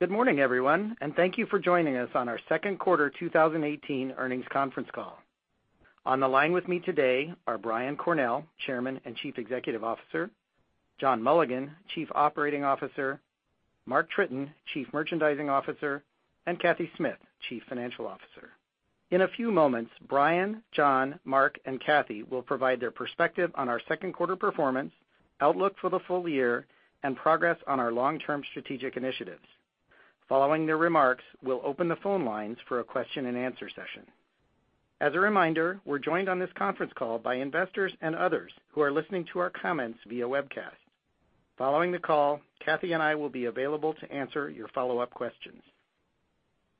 Good morning, everyone, and thank you for joining us on our second quarter 2018 earnings conference call. On the line with me today are Brian Cornell, Chairman and Chief Executive Officer, John Mulligan, Chief Operating Officer, Mark Tritton, Chief Merchandising Officer, and Cathy Smith, Chief Financial Officer. In a few moments, Brian, John, Mark, and Cathy will provide their perspective on our second quarter performance, outlook for the full year, and progress on our long-term strategic initiatives. Following their remarks, we'll open the phone lines for a question and answer session. As a reminder, we're joined on this conference call by investors and others who are listening to our comments via webcast. Following the call, Cathy and I will be available to answer your follow-up questions.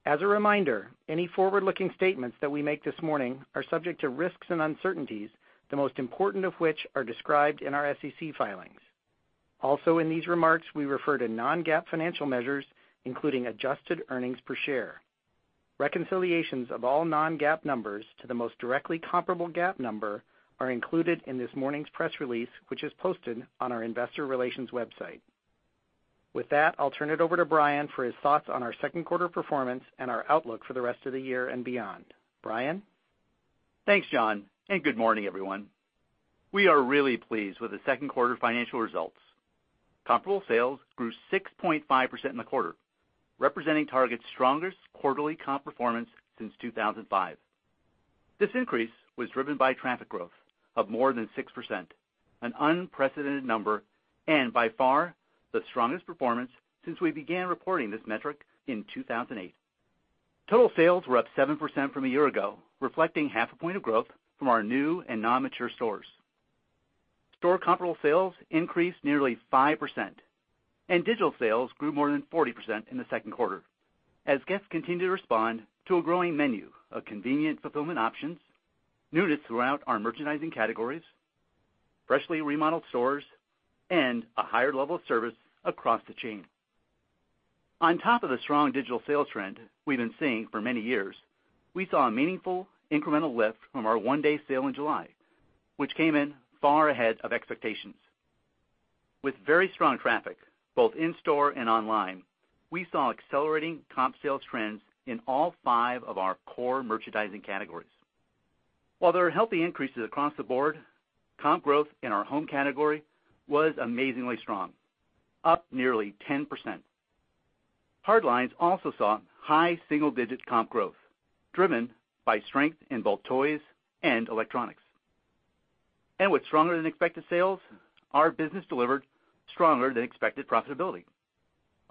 As a reminder, any forward-looking statements that we make this morning are subject to risks and uncertainties, the most important of which are described in our SEC filings. Also in these remarks, we refer to non-GAAP financial measures, including adjusted EPS. Reconciliations of all non-GAAP numbers to the most directly comparable GAAP number are included in this morning's press release, which is posted on our investor relations website. With that, I'll turn it over to Brian for his thoughts on our second quarter performance and our outlook for the rest of the year and beyond. Brian? Thanks, John, and good morning, everyone. We are really pleased with the second quarter financial results. Comparable sales grew 6.5% in the quarter, representing Target's strongest quarterly comp performance since 2005. This increase was driven by traffic growth of more than 6%, an unprecedented number, and by far, the strongest performance since we began reporting this metric in 2008. Total sales were up 7% from a year ago, reflecting half a point of growth from our new and non-mature stores. Store comparable sales increased nearly 5%, and digital sales grew more than 40% in the second quarter. As guests continue to respond to a growing menu of convenient fulfillment options, newness throughout our merchandising categories, freshly remodeled stores, and a higher level of service across the chain. On top of the strong digital sales trend we've been seeing for many years, we saw a meaningful incremental lift from our One-Day Sale in July, which came in far ahead of expectations. With very strong traffic, both in store and online, we saw accelerating comp sales trends in all five of our core merchandising categories. While there are healthy increases across the board, comp growth in our home category was amazingly strong, up nearly 10%. Hard lines also saw high single-digit comp growth, driven by strength in both toys and electronics. With stronger than expected sales, our business delivered stronger than expected profitability.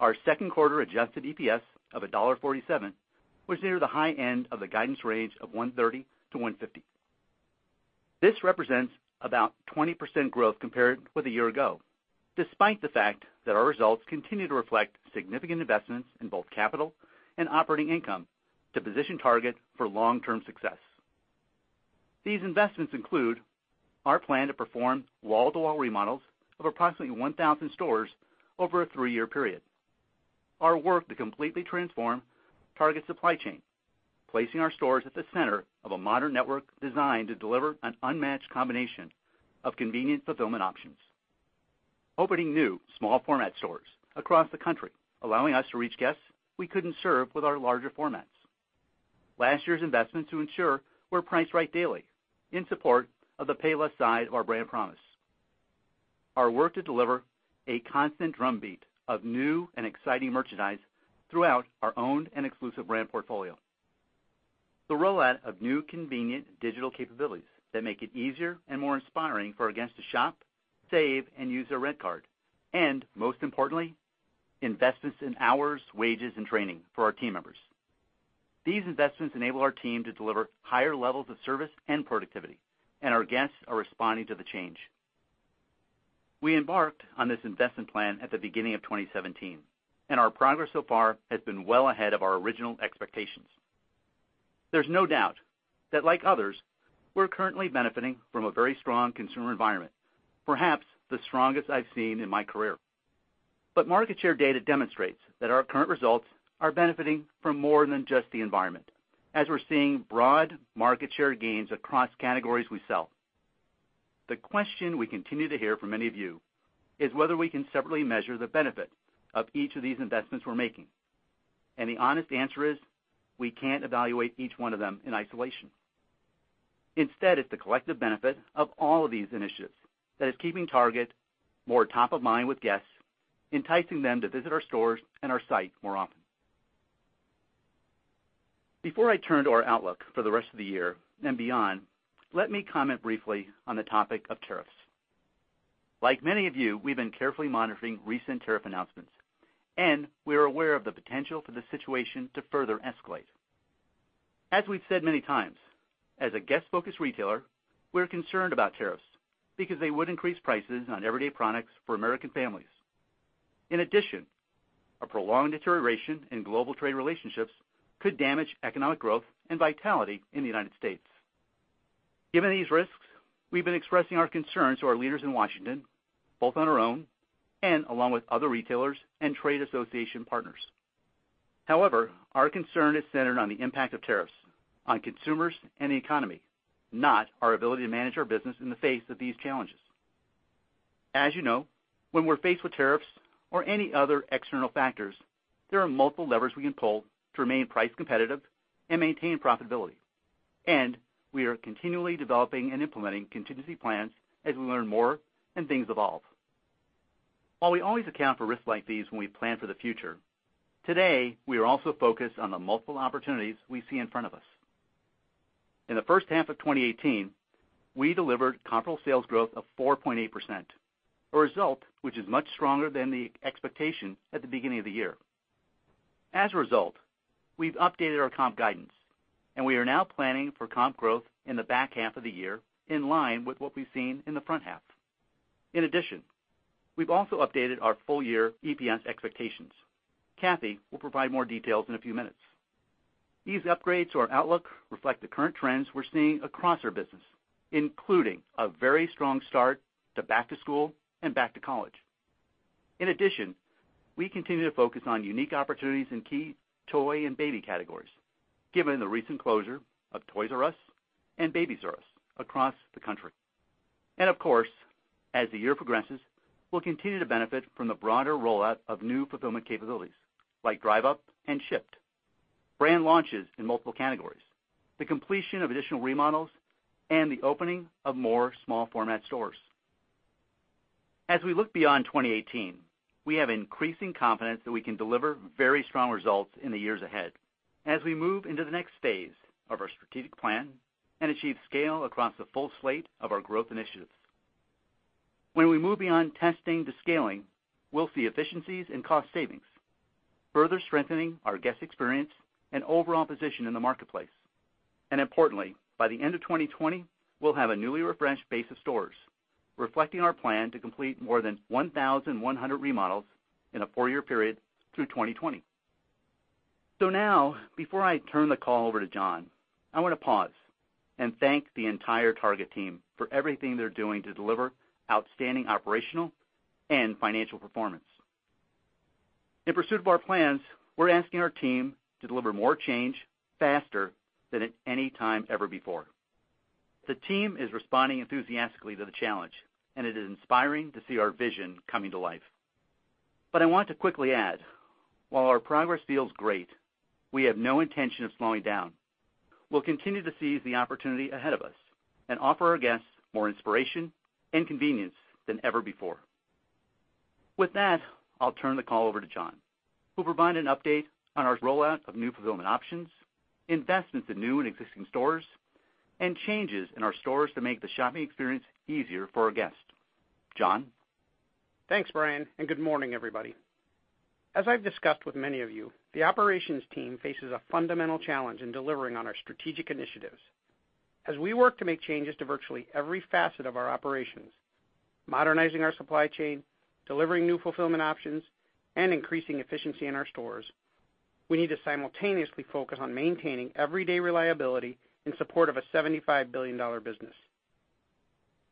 Our second quarter adjusted EPS of $1.47 was near the high end of the guidance range of $1.30-$1.50. This represents about 20% growth compared with a year ago, despite the fact that our results continue to reflect significant investments in both capital and operating income to position Target for long-term success. These investments include our plan to perform wall-to-wall remodels of approximately 1,000 stores over a three-year period. Our work to completely transform Target's supply chain, placing our stores at the center of a modern network designed to deliver an unmatched combination of convenient fulfillment options. Opening new small format stores across the country, allowing us to reach guests we couldn't serve with our larger formats. Last year's investment to ensure we're Priced Right Daily in support of the pay less side of our brand promise. Our work to deliver a constant drumbeat of new and exciting merchandise throughout our owned and exclusive brand portfolio. The rollout of new convenient digital capabilities that make it easier and more inspiring for our guests to shop, save, and use their RedCard. Most importantly, investments in hours, wages, and training for our team members. These investments enable our team to deliver higher levels of service and productivity, and our guests are responding to the change. We embarked on this investment plan at the beginning of 2017, and our progress so far has been well ahead of our original expectations. There's no doubt that, like others, we're currently benefiting from a very strong consumer environment, perhaps the strongest I've seen in my career. Market share data demonstrates that our current results are benefiting from more than just the environment, as we're seeing broad market share gains across categories we sell. The question we continue to hear from many of you is whether we can separately measure the benefit of each of these investments we're making. The honest answer is, we can't evaluate each one of them in isolation. Instead, it's the collective benefit of all of these initiatives that is keeping Target more top of mind with guests, enticing them to visit our stores and our site more often. Before I turn to our outlook for the rest of the year and beyond, let me comment briefly on the topic of tariffs. Like many of you, we've been carefully monitoring recent tariff announcements, and we are aware of the potential for the situation to further escalate. As we've said many times, as a guest-focused retailer, we're concerned about tariffs because they would increase prices on everyday products for American families. In addition, a prolonged deterioration in global trade relationships could damage economic growth and vitality in the United States. Given these risks, we've been expressing our concerns to our leaders in Washington, both on our own and along with other retailers and trade association partners. However, our concern is centered on the impact of tariffs on consumers and the economy, not our ability to manage our business in the face of these challenges. As you know, when we're faced with tariffs or any other external factors, there are multiple levers we can pull to remain price competitive and maintain profitability. We are continually developing and implementing contingency plans as we learn more and things evolve. While we always account for risks like these when we plan for the future, today, we are also focused on the multiple opportunities we see in front of us. In the first half of 2018, we delivered comparable sales growth of 4.8%, a result which is much stronger than the expectation at the beginning of the year. As a result, we've updated our comp guidance. We are now planning for comp growth in the back half of the year in line with what we've seen in the front half. In addition, we've also updated our full year EPS expectations. Cathy will provide more details in a few minutes. These upgrades to our outlook reflect the current trends we're seeing across our business, including a very strong start to back to school and back to college. In addition, we continue to focus on unique opportunities in key toy and baby categories, given the recent closure of Toys R Us and Babies R Us across the country. Of course, as the year progresses, we'll continue to benefit from the broader rollout of new fulfillment capabilities like Drive Up and Shipt, brand launches in multiple categories, the completion of additional remodels, and the opening of more small format stores. As we look beyond 2018, we have increasing confidence that we can deliver very strong results in the years ahead as we move into the next phase of our strategic plan and achieve scale across the full slate of our growth initiatives. When we move beyond testing to scaling, we'll see efficiencies in cost savings, further strengthening our guest experience and overall position in the marketplace. Importantly, by the end of 2020, we'll have a newly refreshed base of stores reflecting our plan to complete more than 1,100 remodels in a four-year period through 2020. Now, before I turn the call over to John, I want to pause and thank the entire Target team for everything they're doing to deliver outstanding operational and financial performance. In pursuit of our plans, we're asking our team to deliver more change faster than at any time ever before. The team is responding enthusiastically to the challenge. It is inspiring to see our vision coming to life. I want to quickly add, while our progress feels great, we have no intention of slowing down. We'll continue to seize the opportunity ahead of us and offer our guests more inspiration and convenience than ever before. With that, I'll turn the call over to John, who will provide an update on our rollout of new fulfillment options, investments in new and existing stores, and changes in our stores to make the shopping experience easier for our guests. John? Thanks, Brian, and good morning, everybody. As I've discussed with many of you, the operations team faces a fundamental challenge in delivering on our strategic initiatives. As we work to make changes to virtually every facet of our operations, modernizing our supply chain, delivering new fulfillment options, and increasing efficiency in our stores, we need to simultaneously focus on maintaining everyday reliability in support of a $75 billion business.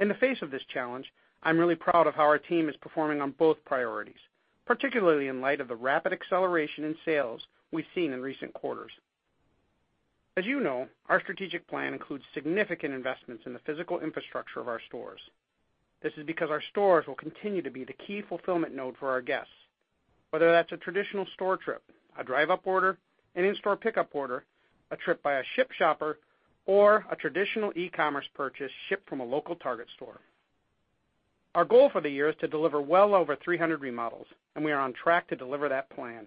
In the face of this challenge, I'm really proud of how our team is performing on both priorities, particularly in light of the rapid acceleration in sales we've seen in recent quarters. As you know, our strategic plan includes significant investments in the physical infrastructure of our stores. This is because our stores will continue to be the key fulfillment node for our guests, whether that's a traditional store trip, a Drive Up order, an in-store pickup order, a trip by a Shipt shopper, or a traditional e-commerce purchase shipped from a local Target store. Our goal for the year is to deliver well over 300 remodels, and we are on track to deliver that plan.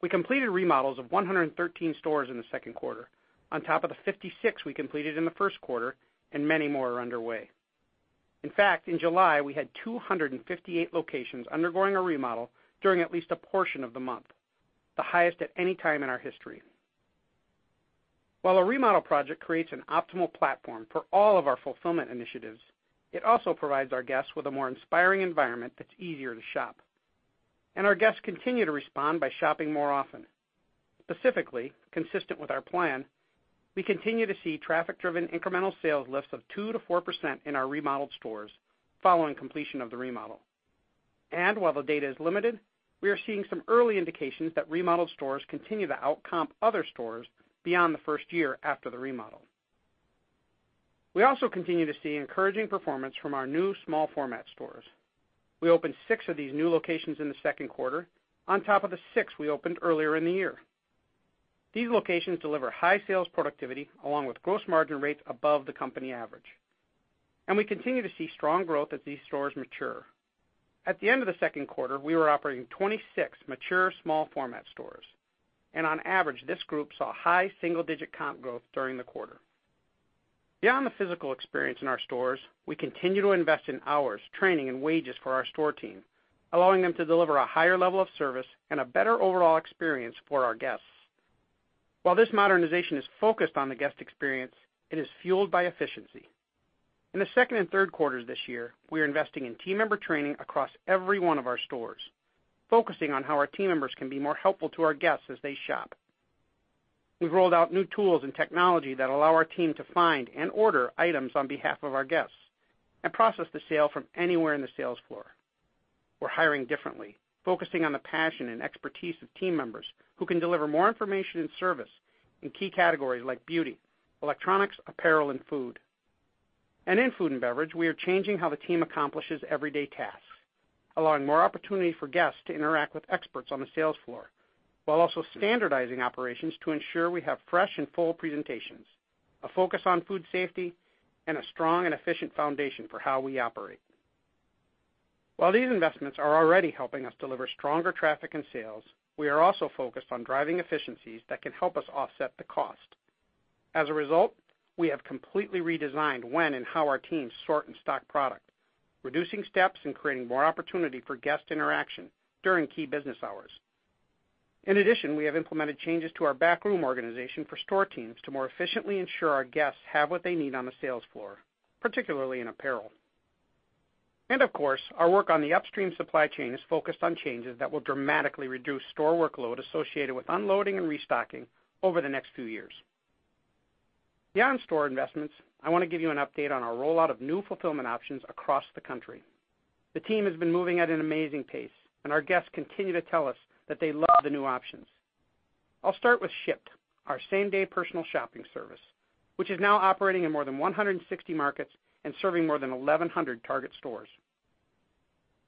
We completed remodels of 113 stores in the second quarter on top of the 56 we completed in the first quarter, and many more are underway. In fact, in July, we had 258 locations undergoing a remodel during at least a portion of the month, the highest at any time in our history. While a remodel project creates an optimal platform for all of our fulfillment initiatives, it also provides our guests with a more inspiring environment that's easier to shop. Our guests continue to respond by shopping more often. Specifically, consistent with our plan, we continue to see traffic-driven incremental sales lifts of 2%-4% in our remodeled stores following completion of the remodel. While the data is limited, we are seeing some early indications that remodeled stores continue to outcomp other stores beyond the first year after the remodel. We also continue to see encouraging performance from our new small format stores. We opened six of these new locations in the second quarter on top of the six we opened earlier in the year. These locations deliver high sales productivity along with gross margin rates above the company average. We continue to see strong growth as these stores mature. At the end of the second quarter, we were operating 26 mature small format stores, and on average, this group saw high single-digit comp growth during the quarter. Beyond the physical experience in our stores, we continue to invest in hours, training, and wages for our store team, allowing them to deliver a higher level of service and a better overall experience for our guests. While this modernization is focused on the guest experience, it is fueled by efficiency. In the second and third quarters this year, we are investing in team member training across every one of our stores, focusing on how our team members can be more helpful to our guests as they shop. We've rolled out new tools and technology that allow our team to find and order items on behalf of our guests and process the sale from anywhere in the sales floor. We're hiring differently, focusing on the passion and expertise of team members who can deliver more information and service in key categories like beauty, electronics, apparel, and food. In food and beverage, we are changing how the team accomplishes everyday tasks, allowing more opportunity for guests to interact with experts on the sales floor, while also standardizing operations to ensure we have fresh and full presentations, a focus on food safety, and a strong and efficient foundation for how we operate. While these investments are already helping us deliver stronger traffic and sales, we are also focused on driving efficiencies that can help us offset the cost. As a result, we have completely redesigned when and how our teams sort and stock product, reducing steps and creating more opportunity for guest interaction during key business hours. In addition, we have implemented changes to our backroom organization for store teams to more efficiently ensure our guests have what they need on the sales floor, particularly in apparel. Of course, our work on the upstream supply chain is focused on changes that will dramatically reduce store workload associated with unloading and restocking over the next few years. Beyond store investments, I want to give you an update on our rollout of new fulfillment options across the country. The team has been moving at an amazing pace, and our guests continue to tell us that they love the new options. I'll start with Shipt, our same-day personal shopping service, which is now operating in more than 160 markets and serving more than 1,100 Target stores.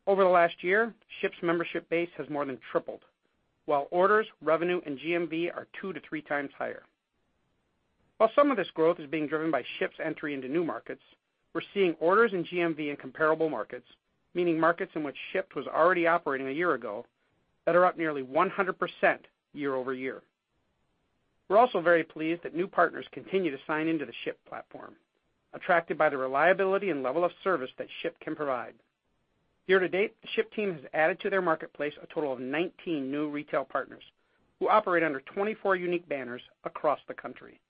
Over the last year, Shipt's membership base has more than tripled, while orders, revenue, and GMV are two to three times higher. While some of this growth is being driven by Shipt's entry into new markets, we're seeing orders in GMV in comparable markets, meaning markets in which Shipt was already operating a year ago, that are up nearly 100% year-over-year. We're also very pleased that new partners continue to sign into the Shipt platform, attracted by the reliability and level of service that Shipt can provide. Year to date, the Shipt team has added to their marketplace a total of 19 new retail partners who operate under 24 unique banners across the country.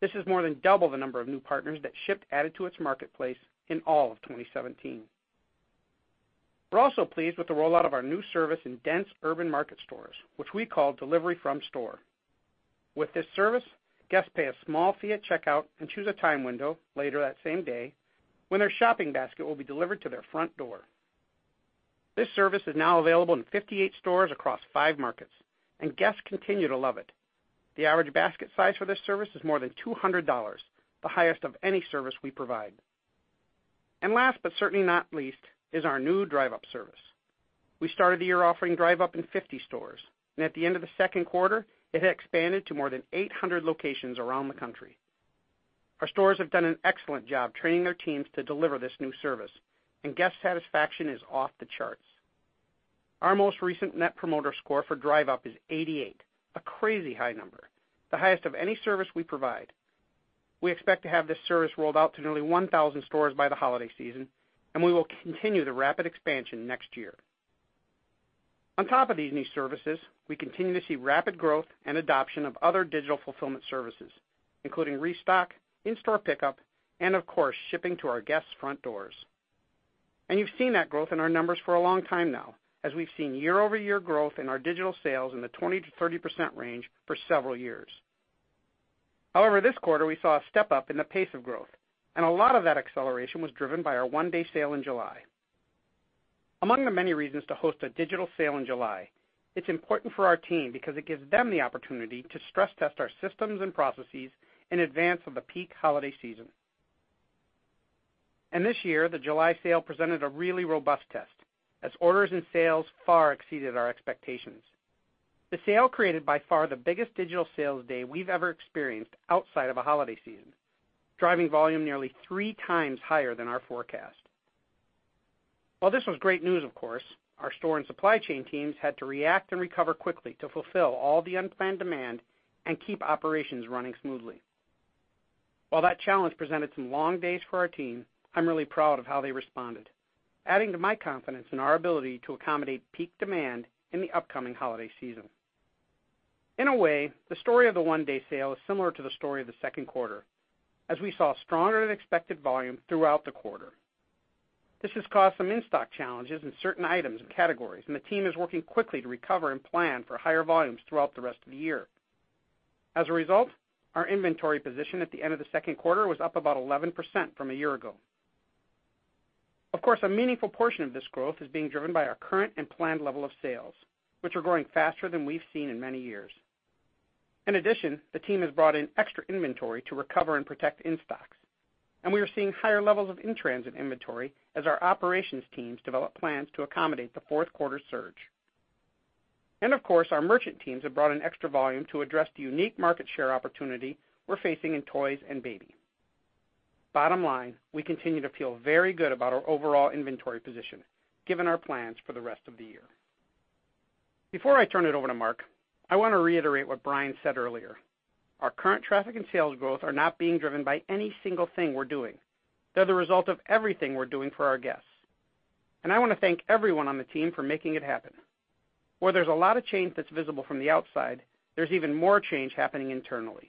This is more than double the number of new partners that Shipt added to its marketplace in all of 2017. We're also pleased with the rollout of our new service in dense urban market stores, which we call Delivery from Store. With this service, guests pay a small fee at checkout and choose a time window later that same day when their shopping basket will be delivered to their front door. This service is now available in 58 stores across five markets, and guests continue to love it. The average basket size for this service is more than $200, the highest of any service we provide. Last, but certainly not least, is our new Drive Up service. We started the year offering Drive Up in 50 stores, and at the end of the second quarter, it had expanded to more than 800 locations around the country. Our stores have done an excellent job training their teams to deliver this new service, and guest satisfaction is off the charts. Our most recent net promoter score for Drive Up is 88, a crazy high number, the highest of any service we provide. We expect to have this service rolled out to nearly 1,000 stores by the holiday season, and we will continue the rapid expansion next year. On top of these new services, we continue to see rapid growth and adoption of other digital fulfillment services, including Restock, in-store pickup, and of course, shipping to our guests' front doors. You've seen that growth in our numbers for a long time now, as we've seen year-over-year growth in our digital sales in the 20%-30% range for several years. However, this quarter, we saw a step up in the pace of growth, and a lot of that acceleration was driven by our One-Day Sale in July. Among the many reasons to host a digital sale in July, it's important for our team because it gives them the opportunity to stress-test our systems and processes in advance of the peak holiday season. This year, the July sale presented a really robust test as orders and sales far exceeded our expectations. The sale created by far the biggest digital sales day we've ever experienced outside of a holiday season, driving volume nearly three times higher than our forecast. While this was great news of course, our store and supply chain teams had to react and recover quickly to fulfill all the unplanned demand and keep operations running smoothly. While that challenge presented some long days for our team, I'm really proud of how they responded, adding to my confidence in our ability to accommodate peak demand in the upcoming holiday season. In a way, the story of the One-Day Sale is similar to the story of the second quarter, as we saw stronger than expected volume throughout the quarter. This has caused some in-stock challenges in certain items and categories, and the team is working quickly to recover and plan for higher volumes throughout the rest of the year. As a result, our inventory position at the end of the second quarter was up about 11% from a year ago. Of course, a meaningful portion of this growth is being driven by our current and planned level of sales, which are growing faster than we've seen in many years. In addition, the team has brought in extra inventory to recover and protect in-stocks, and we are seeing higher levels of in-transit inventory as our operations teams develop plans to accommodate the fourth quarter surge. Of course, our merchant teams have brought in extra volume to address the unique market share opportunity we're facing in toys and baby. Bottom line, we continue to feel very good about our overall inventory position, given our plans for the rest of the year. Before I turn it over to Mark, I want to reiterate what Brian said earlier. Our current traffic and sales growth are not being driven by any single thing we're doing. They're the result of everything we're doing for our guests. I want to thank everyone on the team for making it happen. Where there's a lot of change that's visible from the outside, there's even more change happening internally.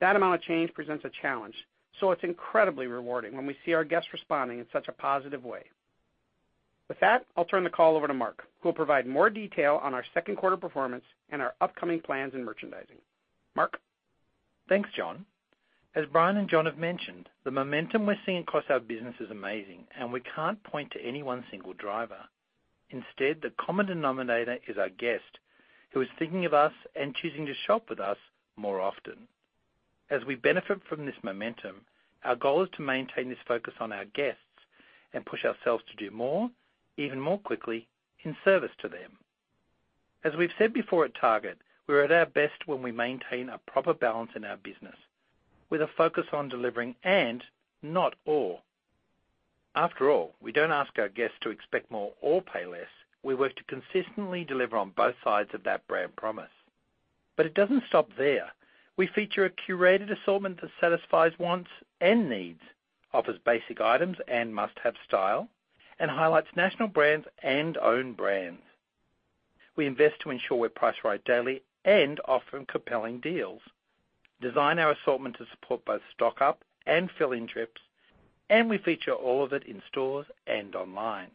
That amount of change presents a challenge, so it's incredibly rewarding when we see our guests responding in such a positive way. With that, I'll turn the call over to Mark, who will provide more detail on our second quarter performance and our upcoming plans in merchandising. Mark? Thanks, John. As Brian and John have mentioned, the momentum we're seeing across our business is amazing, and we can't point to any one single driver. Instead, the common denominator is our guest, who is thinking of us and choosing to shop with us more often. As we benefit from this momentum, our goal is to maintain this focus on our guests and push ourselves to do more, even more quickly in service to them. As we've said before at Target, we're at our best when we maintain a proper balance in our business with a focus on delivering and, not or. After all, we don't ask our guests to expect more or pay less. We work to consistently deliver on both sides of that brand promise. It doesn't stop there. We feature a curated assortment that satisfies wants and needs, offers basic items and must-have style, and highlights national brands and own brands. We invest to ensure we're Priced Right Daily and offer compelling deals, design our assortment to support both stock-up and fill-in trips, we feature all of it in stores and online.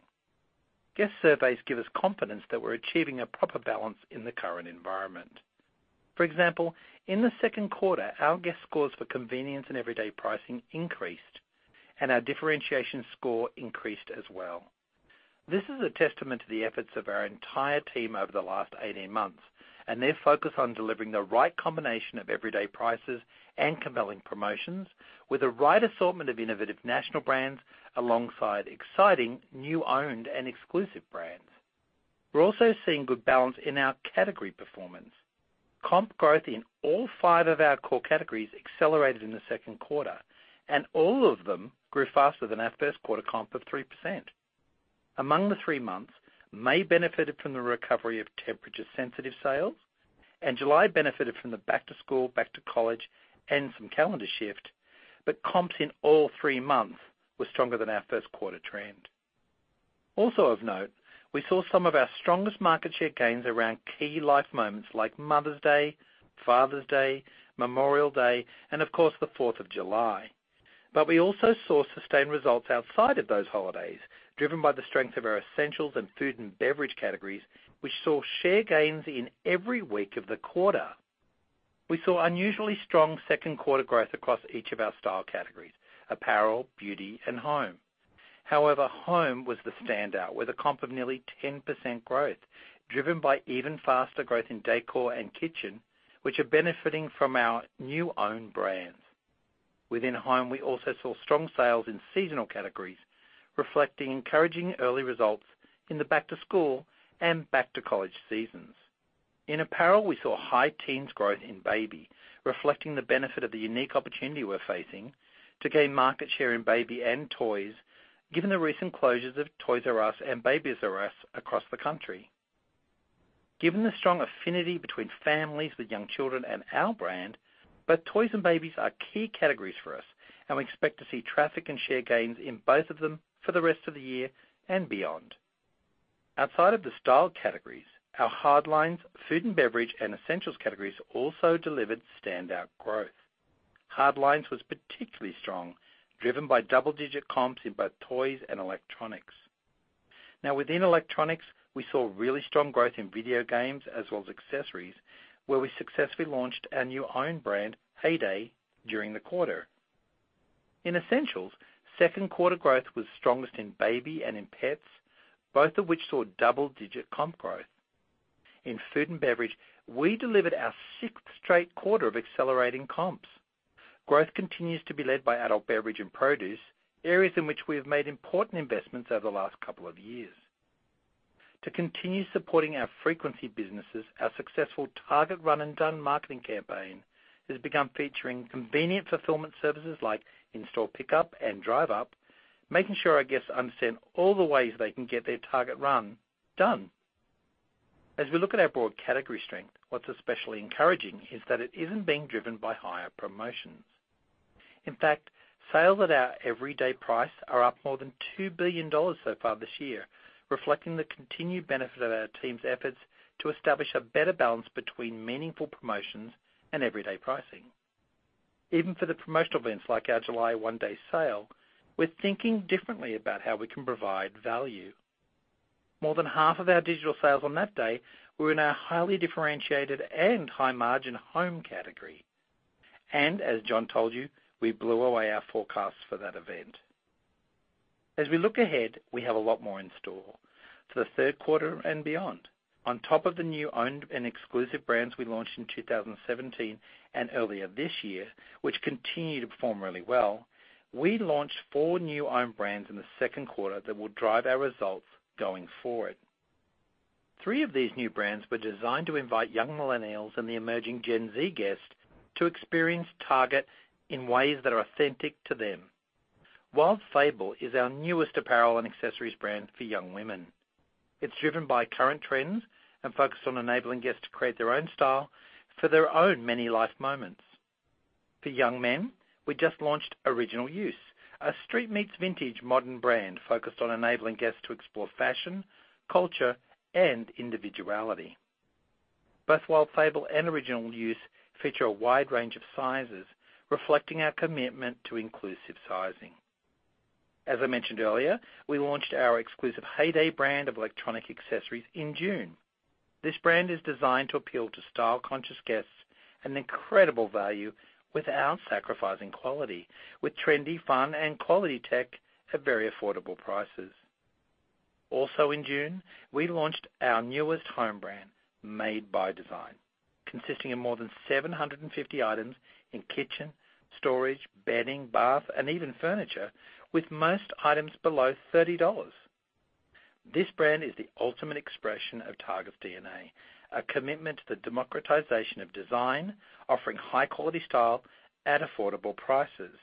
Guest surveys give us confidence that we're achieving a proper balance in the current environment. For example, in the second quarter, our guest scores for convenience and everyday pricing increased, our differentiation score increased as well. This is a testament to the efforts of our entire team over the last 18 months and their focus on delivering the right combination of everyday prices and compelling promotions with a right assortment of innovative national brands, alongside exciting new owned and exclusive brands. We're also seeing good balance in our category performance. Comp growth in all five of our core categories accelerated in the second quarter, all of them grew faster than our first quarter comp of 3%. Among the three months, May benefited from the recovery of temperature-sensitive sales, July benefited from the back to school, back to college, and some calendar shift. Comps in all three months were stronger than our first quarter trend. Also of note, we saw some of our strongest market share gains around key life moments like Mother's Day, Father's Day, Memorial Day, of course, the Fourth of July. We also saw sustained results outside of those holidays, driven by the strength of our essentials and food and beverage categories, which saw share gains in every week of the quarter. We saw unusually strong second quarter growth across each of our style categories, apparel, beauty, and home. Home was the standout with a comp of nearly 10% growth, driven by even faster growth in decor and kitchen, which are benefiting from our new own brands. Within home, we also saw strong sales in seasonal categories, reflecting encouraging early results in the back to school and back to college seasons. In apparel, we saw high teens growth in baby, reflecting the benefit of the unique opportunity we're facing to gain market share in baby and toys, given the recent closures of Toys R Us and Babies R Us across the country. Given the strong affinity between families with young children and our brand, both toys and babies are key categories for us, we expect to see traffic and share gains in both of them for the rest of the year and beyond. Outside of the style categories, our hard lines, food and beverage, and essentials categories also delivered standout growth. Hard lines was particularly strong, driven by double-digit comps in both toys and electronics. Within electronics, we saw really strong growth in video games as well as accessories, where we successfully launched our new own brand, Heyday, during the quarter. In essentials, second quarter growth was strongest in baby and in pets, both of which saw double-digit comp growth. In food and beverage, we delivered our sixth straight quarter of accelerating comps. Growth continues to be led by adult beverage and produce, areas in which we have made important investments over the last couple of years. To continue supporting our frequency businesses, our successful Target Run and Done marketing campaign has begun featuring convenient fulfillment services like in-store pickup and Drive Up, making sure our guests understand all the ways they can get their Target run done. As we look at our broad category strength, what's especially encouraging is that it isn't being driven by higher promotions. In fact, sales at our everyday price are up more than $2 billion so far this year, reflecting the continued benefit of our team's efforts to establish a better balance between meaningful promotions and everyday pricing. Even for the promotional events like our July One-Day Sale, we're thinking differently about how we can provide value. More than half of our digital sales on that day were in our highly differentiated and high-margin home category. As John told you, we blew away our forecasts for that event. As we look ahead, we have a lot more in store for the third quarter and beyond. On top of the new owned and exclusive brands we launched in 2017 and earlier this year, which continue to perform really well, we launched four new own brands in the second quarter that will drive our results going forward. Three of these new brands were designed to invite young millennials and the emerging Gen Z guests to experience Target in ways that are authentic to them. Wild Fable is our newest apparel and accessories brand for young women. It's driven by current trends and focused on enabling guests to create their own style for their own many life moments. For young men, we just launched Original Use, a street-meets-vintage modern brand focused on enabling guests to explore fashion, culture, and individuality. Both Wild Fable and Original Use feature a wide range of sizes, reflecting our commitment to inclusive sizing. As I mentioned earlier, we launched our exclusive Heyday brand of electronic accessories in June. This brand is designed to appeal to style-conscious guests and incredible value without sacrificing quality, with trendy, fun, and quality tech at very affordable prices. Also in June, we launched our newest home brand, Made By Design, consisting of more than 750 items in kitchen, storage, bedding, bath, and even furniture, with most items below $30. This brand is the ultimate expression of Target's DNA, a commitment to the democratization of design, offering high-quality style at affordable prices.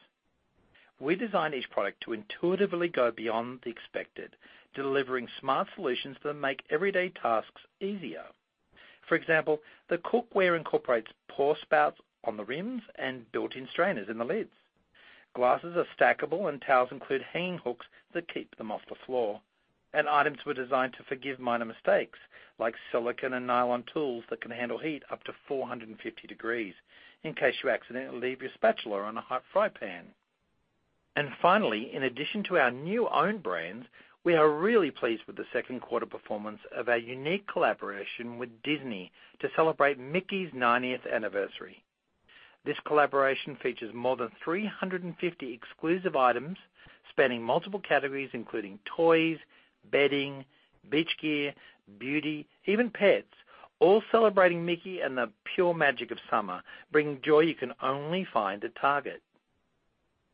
We design each product to intuitively go beyond the expected, delivering smart solutions that make everyday tasks easier. For example, the cookware incorporates pour spouts on the rims and built-in strainers in the lids. Glasses are stackable, and towels include hanging hooks that keep them off the floor. Items were designed to forgive minor mistakes, like silicone and nylon tools that can handle heat up to 450 degrees in case you accidentally leave your spatula on a hot fry pan. Finally, in addition to our new own brands, we are really pleased with the second quarter performance of our unique collaboration with Disney to celebrate Mickey's 90th Anniversary. This collaboration features more than 350 exclusive items spanning multiple categories, including toys, bedding, beach gear, beauty, even pets, all celebrating Mickey and the pure magic of summer, bringing joy you can only find at Target.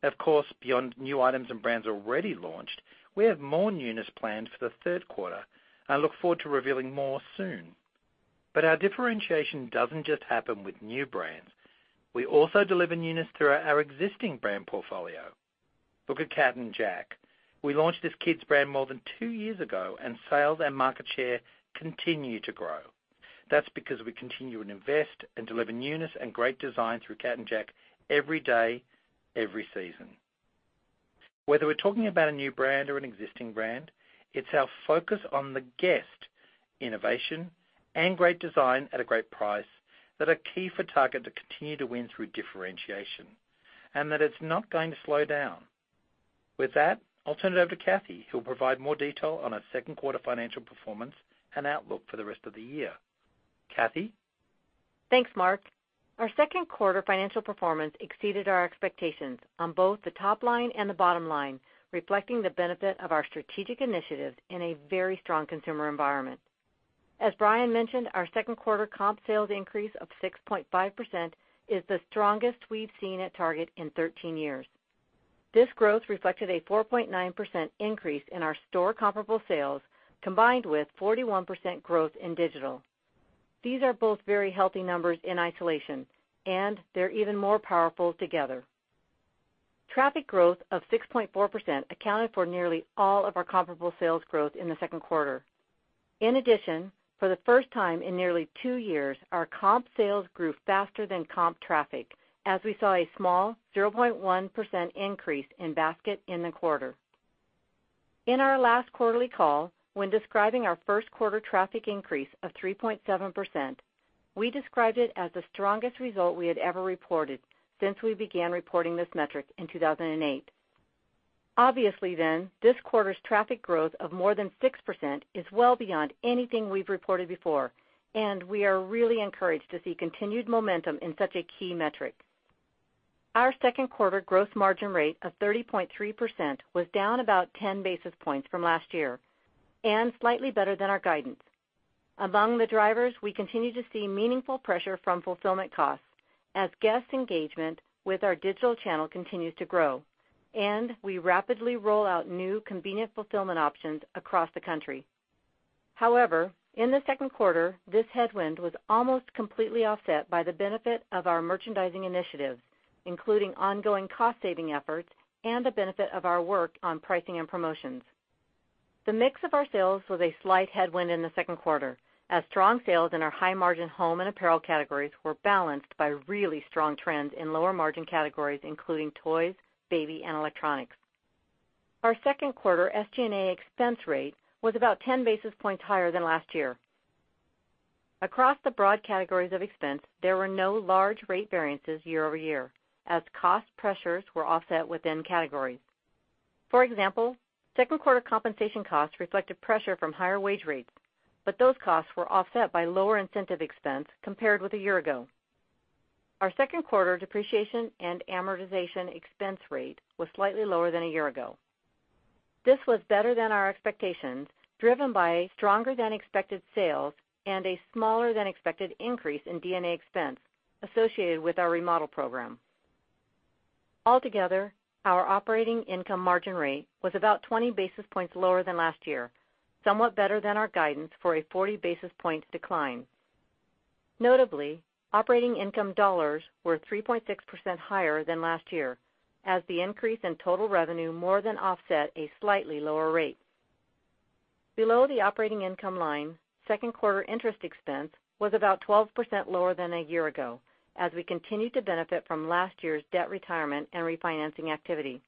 Of course, beyond new items and brands already launched, we have more newness planned for the third quarter. I look forward to revealing more soon. Our differentiation doesn't just happen with new brands. We also deliver newness through our existing brand portfolio. Look at Cat & Jack. We launched this kids brand more than two years ago, and sales and market share continue to grow. That's because we continue to invest and deliver newness and great design through Cat & Jack every day, every season. Whether we're talking about a new brand or an existing brand, it's our focus on the guest, innovation, and great design at a great price that are key for Target to continue to win through differentiation, and that is not going to slow down. With that, I'll turn it over to Cathy, who will provide more detail on our second quarter financial performance and outlook for the rest of the year. Cathy? Thanks, Mark. Our second quarter financial performance exceeded our expectations on both the top line and the bottom line, reflecting the benefit of our strategic initiatives in a very strong consumer environment. As Brian mentioned, our second quarter comp sales increase of 6.5% is the strongest we've seen at Target in 13 years. This growth reflected a 4.9% increase in our store comparable sales, combined with 41% growth in digital. These are both very healthy numbers in isolation, and they're even more powerful together. Traffic growth of 6.4% accounted for nearly all of our comparable sales growth in the second quarter. In addition, for the first time in nearly two years, our comp sales grew faster than comp traffic, as we saw a small 0.1% increase in basket in the quarter. In our last quarterly call, when describing our first quarter traffic increase of 3.7%, we described it as the strongest result we had ever reported since we began reporting this metric in 2008. Obviously then, this quarter's traffic growth of more than 6% is well beyond anything we've reported before, and we are really encouraged to see continued momentum in such a key metric. Our second quarter gross margin rate of 30.3% was down about 10 basis points from last year, and slightly better than our guidance. Among the drivers, we continue to see meaningful pressure from fulfillment costs as guest engagement with our digital channel continues to grow, and we rapidly roll out new convenient fulfillment options across the country. However, in the second quarter, this headwind was almost completely offset by the benefit of our merchandising initiatives, including ongoing cost-saving efforts and the benefit of our work on pricing and promotions. The mix of our sales was a slight headwind in the second quarter, as strong sales in our high-margin home and apparel categories were balanced by really strong trends in lower-margin categories, including toys, baby, and electronics. Our second quarter SG&A expense rate was about 10 basis points higher than last year. Across the broad categories of expense, there were no large rate variances year-over-year, as cost pressures were offset within categories. For example, second quarter compensation costs reflected pressure from higher wage rates, but those costs were offset by lower incentive expense compared with a year ago. Our second quarter depreciation and amortization expense rate was slightly lower than a year ago. This was better than our expectations, driven by stronger-than-expected sales and a smaller-than-expected increase in D&A expense associated with our remodel program. Altogether, our operating income margin rate was about 20 basis points lower than last year, somewhat better than our guidance for a 40 basis point decline. Notably, operating income dollars were 3.6% higher than last year, as the increase in total revenue more than offset a slightly lower rate. Below the operating income line, second quarter interest expense was about 12% lower than a year ago as we continued to benefit from last year's debt retirement and refinancing activity.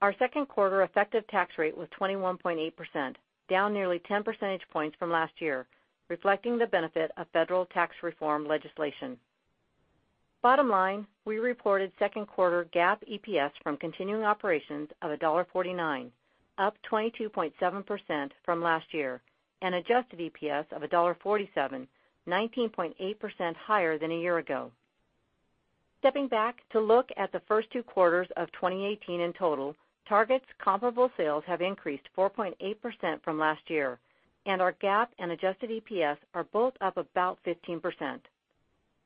Our second quarter effective tax rate was 21.8%, down nearly 10 percentage points from last year, reflecting the benefit of federal tax reform legislation. Bottom line, we reported second quarter GAAP EPS from continuing operations of $1.49, up 22.7% from last year, and adjusted EPS of $1.47, 19.8% higher than a year ago. Stepping back to look at the first two quarters of 2018 in total, Target's comparable sales have increased 4.8% from last year, and our GAAP and adjusted EPS are both up about 15%.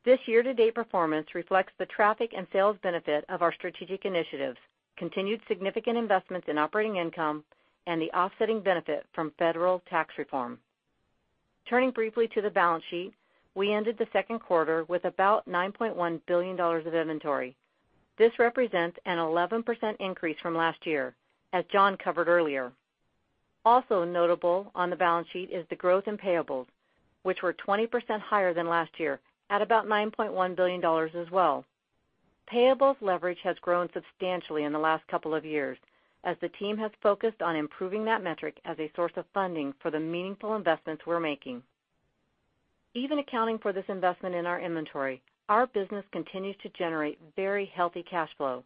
This year-to-date performance reflects the traffic and sales benefit of our strategic initiatives, continued significant investments in operating income, and the offsetting benefit from federal tax reform. Turning briefly to the balance sheet, we ended the second quarter with about $9.1 billion of inventory. This represents an 11% increase from last year, as John covered earlier. Also notable on the balance sheet is the growth in payables, which were 20% higher than last year at about $9.1 billion as well. Payables leverage has grown substantially in the last couple of years as the team has focused on improving that metric as a source of funding for the meaningful investments we're making. Even accounting for this investment in our inventory, our business continues to generate very healthy cash flow.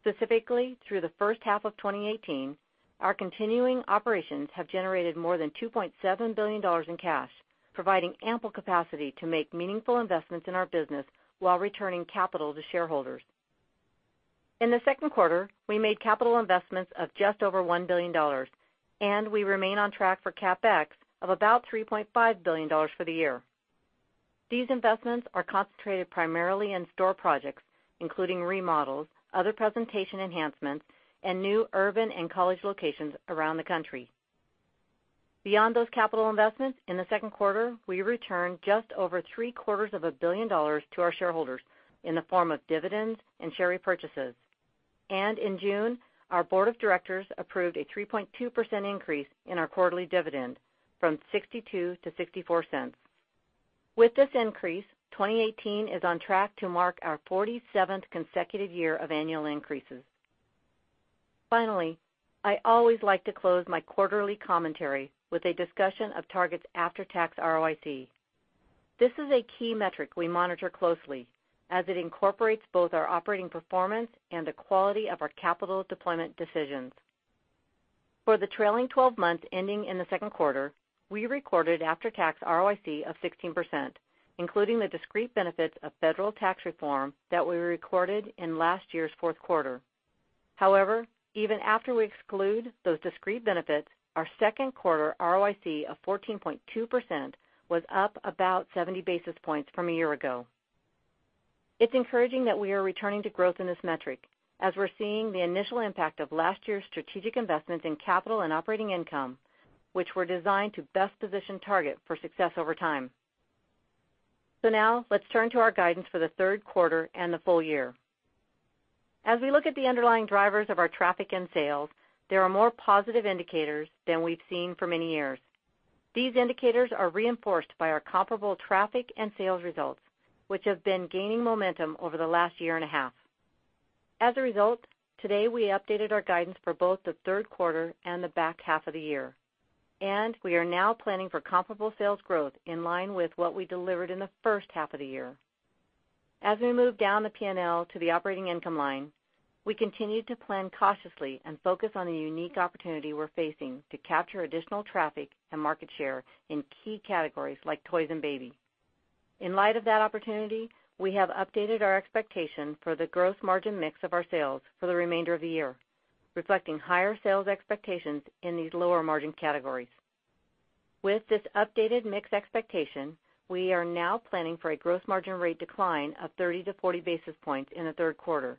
Specifically, through the first half of 2018, our continuing operations have generated more than $2.7 billion in cash, providing ample capacity to make meaningful investments in our business while returning capital to shareholders. In the second quarter, we made capital investments of just over $1 billion, and we remain on track for CapEx of about $3.5 billion for the year. These investments are concentrated primarily in store projects, including remodels, other presentation enhancements, and new urban and college locations around the country. Beyond those capital investments, in the second quarter, we returned just over three-quarters of a billion dollars to our shareholders in the form of dividends and share repurchases. In June, our board of directors approved a 3.2% increase in our quarterly dividend from $0.62 to $0.64. With this increase, 2018 is on track to mark our 47th consecutive year of annual increases. Finally, I always like to close my quarterly commentary with a discussion of Target's after-tax ROIC. This is a key metric we monitor closely as it incorporates both our operating performance and the quality of our capital deployment decisions. For the trailing 12 months ending in the second quarter, we recorded after-tax ROIC of 16%, including the discrete benefits of federal tax reform that we recorded in last year's fourth quarter. Even after we exclude those discrete benefits, our second quarter ROIC of 14.2% was up about 70 basis points from a year ago. It's encouraging that we're returning to growth in this metric as we're seeing the initial impact of last year's strategic investments in capital and operating income, which were designed to best position Target for success over time. Now let's turn to our guidance for the third quarter and the full year. As we look at the underlying drivers of our traffic and sales, there are more positive indicators than we've seen for many years. These indicators are reinforced by our comparable traffic and sales results, which have been gaining momentum over the last year and a half. Today, we updated our guidance for both the third quarter and the back half of the year. We are now planning for comparable sales growth in line with what we delivered in the first half of the year. We move down the P&L to the operating income line, we continue to plan cautiously and focus on the unique opportunity we're facing to capture additional traffic and market share in key categories like toys and baby. In light of that opportunity, we have updated our expectation for the gross margin mix of our sales for the remainder of the year, reflecting higher sales expectations in these lower margin categories. With this updated mix expectation, we are now planning for a gross margin rate decline of 30 to 40 basis points in the third quarter.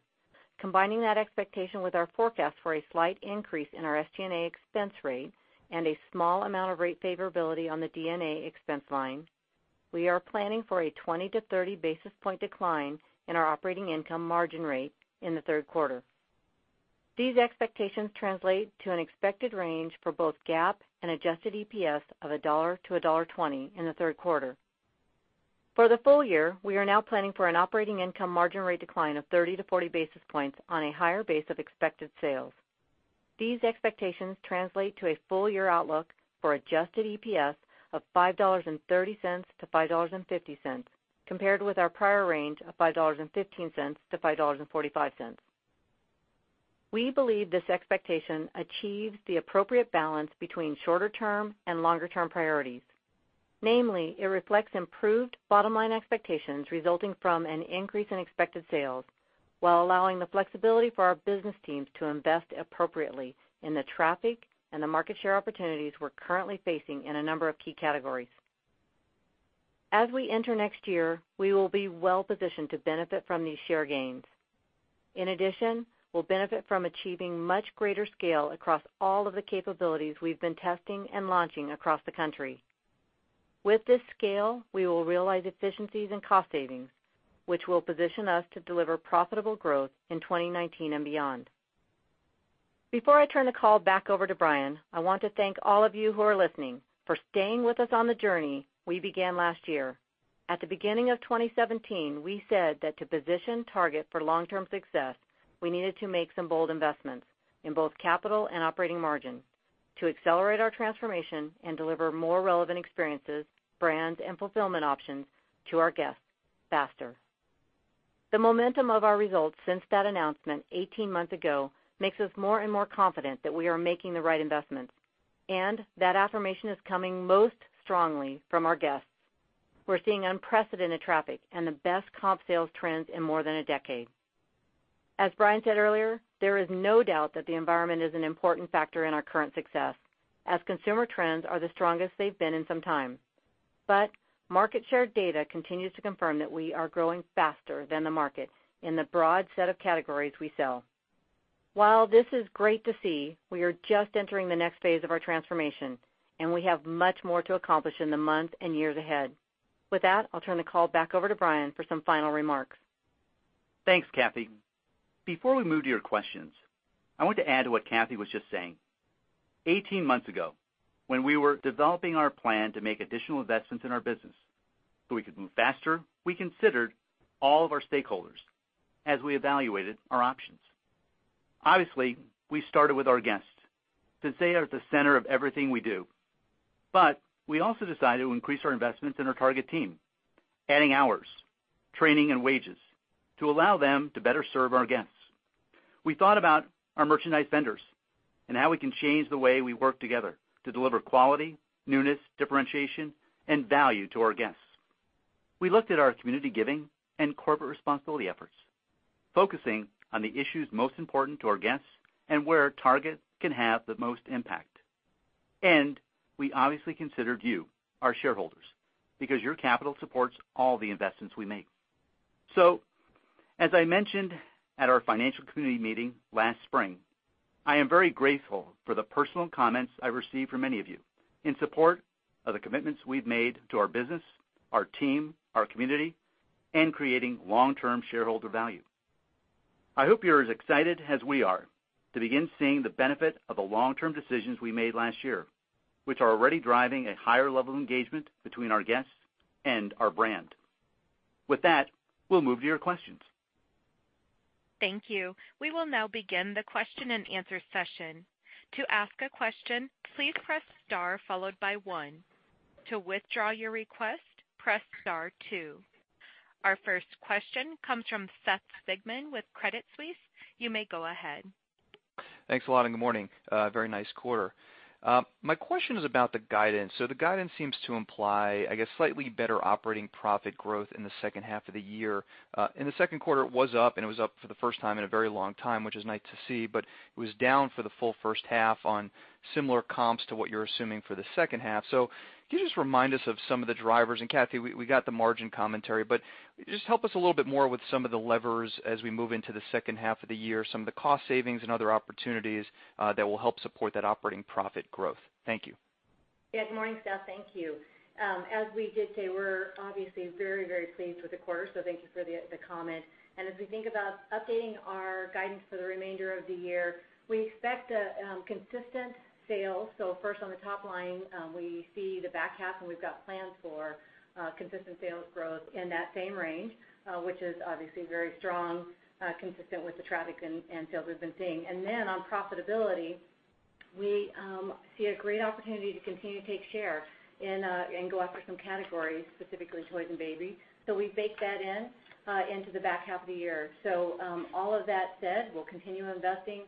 Combining that expectation with our forecast for a slight increase in our SG&A expense rate and a small amount of rate favorability on the D&A expense line, we are planning for a 20 to 30 basis point decline in our operating income margin rate in the third quarter. These expectations translate to an expected range for both GAAP and adjusted EPS of $1 to $1.20 in the third quarter. For the full year, we are now planning for an operating income margin rate decline of 30 to 40 basis points on a higher base of expected sales. These expectations translate to a full-year outlook for adjusted EPS of $5.30 to $5.50, compared with our prior range of $5.15 to $5.45. We believe this expectation achieves the appropriate balance between shorter-term and longer-term priorities. Namely, it reflects improved bottom-line expectations resulting from an increase in expected sales while allowing the flexibility for our business teams to invest appropriately in the traffic and the market share opportunities we're currently facing in a number of key categories. As we enter next year, we will be well-positioned to benefit from these share gains. In addition, we'll benefit from achieving much greater scale across all of the capabilities we've been testing and launching across the country. With this scale, we will realize efficiencies and cost savings, which will position us to deliver profitable growth in 2019 and beyond. Before I turn the call back over to Brian, I want to thank all of you who are listening for staying with us on the journey we began last year. At the beginning of 2017, we said that to position Target for long-term success, we needed to make some bold investments in both capital and operating margin to accelerate our transformation and deliver more relevant experiences, brands, and fulfillment options to our guests faster. The momentum of our results since that announcement 18 months ago makes us more and more confident that we are making the right investments, and that affirmation is coming most strongly from our guests. We're seeing unprecedented traffic and the best comp sales trends in more than a decade. As Brian said earlier, there is no doubt that the environment is an important factor in our current success, as consumer trends are the strongest they've been in some time. Market share data continues to confirm that we are growing faster than the market in the broad set of categories we sell. While this is great to see, we are just entering the next phase of our transformation, we have much more to accomplish in the month and years ahead. With that, I'll turn the call back over to Brian for some final remarks. Thanks, Cathy. Before we move to your questions, I want to add to what Cathy was just saying. Eighteen months ago, when we were developing our plan to make additional investments in our business so we could move faster, we considered all of our stakeholders as we evaluated our options. Obviously, we started with our guests, since they are at the center of everything we do. We also decided to increase our investments in our Target team, adding hours, training, and wages to allow them to better serve our guests. We thought about our merchandise vendors and how we can change the way we work together to deliver quality, newness, differentiation, and value to our guests. We looked at our community giving and corporate responsibility efforts, focusing on the issues most important to our guests and where Target can have the most impact. We obviously considered you, our shareholders, because your capital supports all the investments we make. As I mentioned at our financial community meeting last spring, I am very grateful for the personal comments I received from many of you in support of the commitments we've made to our business, our team, our community, and creating long-term shareholder value. I hope you're as excited as we are to begin seeing the benefit of the long-term decisions we made last year, which are already driving a higher level of engagement between our guests and our brand. With that, we'll move to your questions. Thank you. We will now begin the question and answer session. To ask a question, please press star followed by one. To withdraw your request, press star two. Our first question comes from Seth Sigman with Credit Suisse. You may go ahead. Thanks a lot, and good morning. A very nice quarter. My question is about the guidance. The guidance seems to imply, I guess, slightly better operating profit growth in the second half of the year. In the second quarter, it was up, and it was up for the first time in a very long time, which is nice to see, it was down for the full first half on similar comps to what you're assuming for the second half. Can you just remind us of some of the drivers? Cathy, we got the margin commentary, but just help us a little bit more with some of the levers as we move into the second half of the year, some of the cost savings and other opportunities that will help support that operating profit growth. Thank you. Yes, morning, Seth. Thank you. As we did say, we're obviously very, very pleased with the quarter, thank you for the comment. As we think about updating our guidance for the remainder of the year, we expect consistent sales. First, on the top line, we see the back half, we've got plans for consistent sales growth in that same range, which is obviously very strong, consistent with the traffic and sales we've been seeing. Then on profitability, we see a great opportunity to continue to take share and go after some categories, specifically toys and baby. We baked that in into the back half of the year. All of that said, we'll continue investing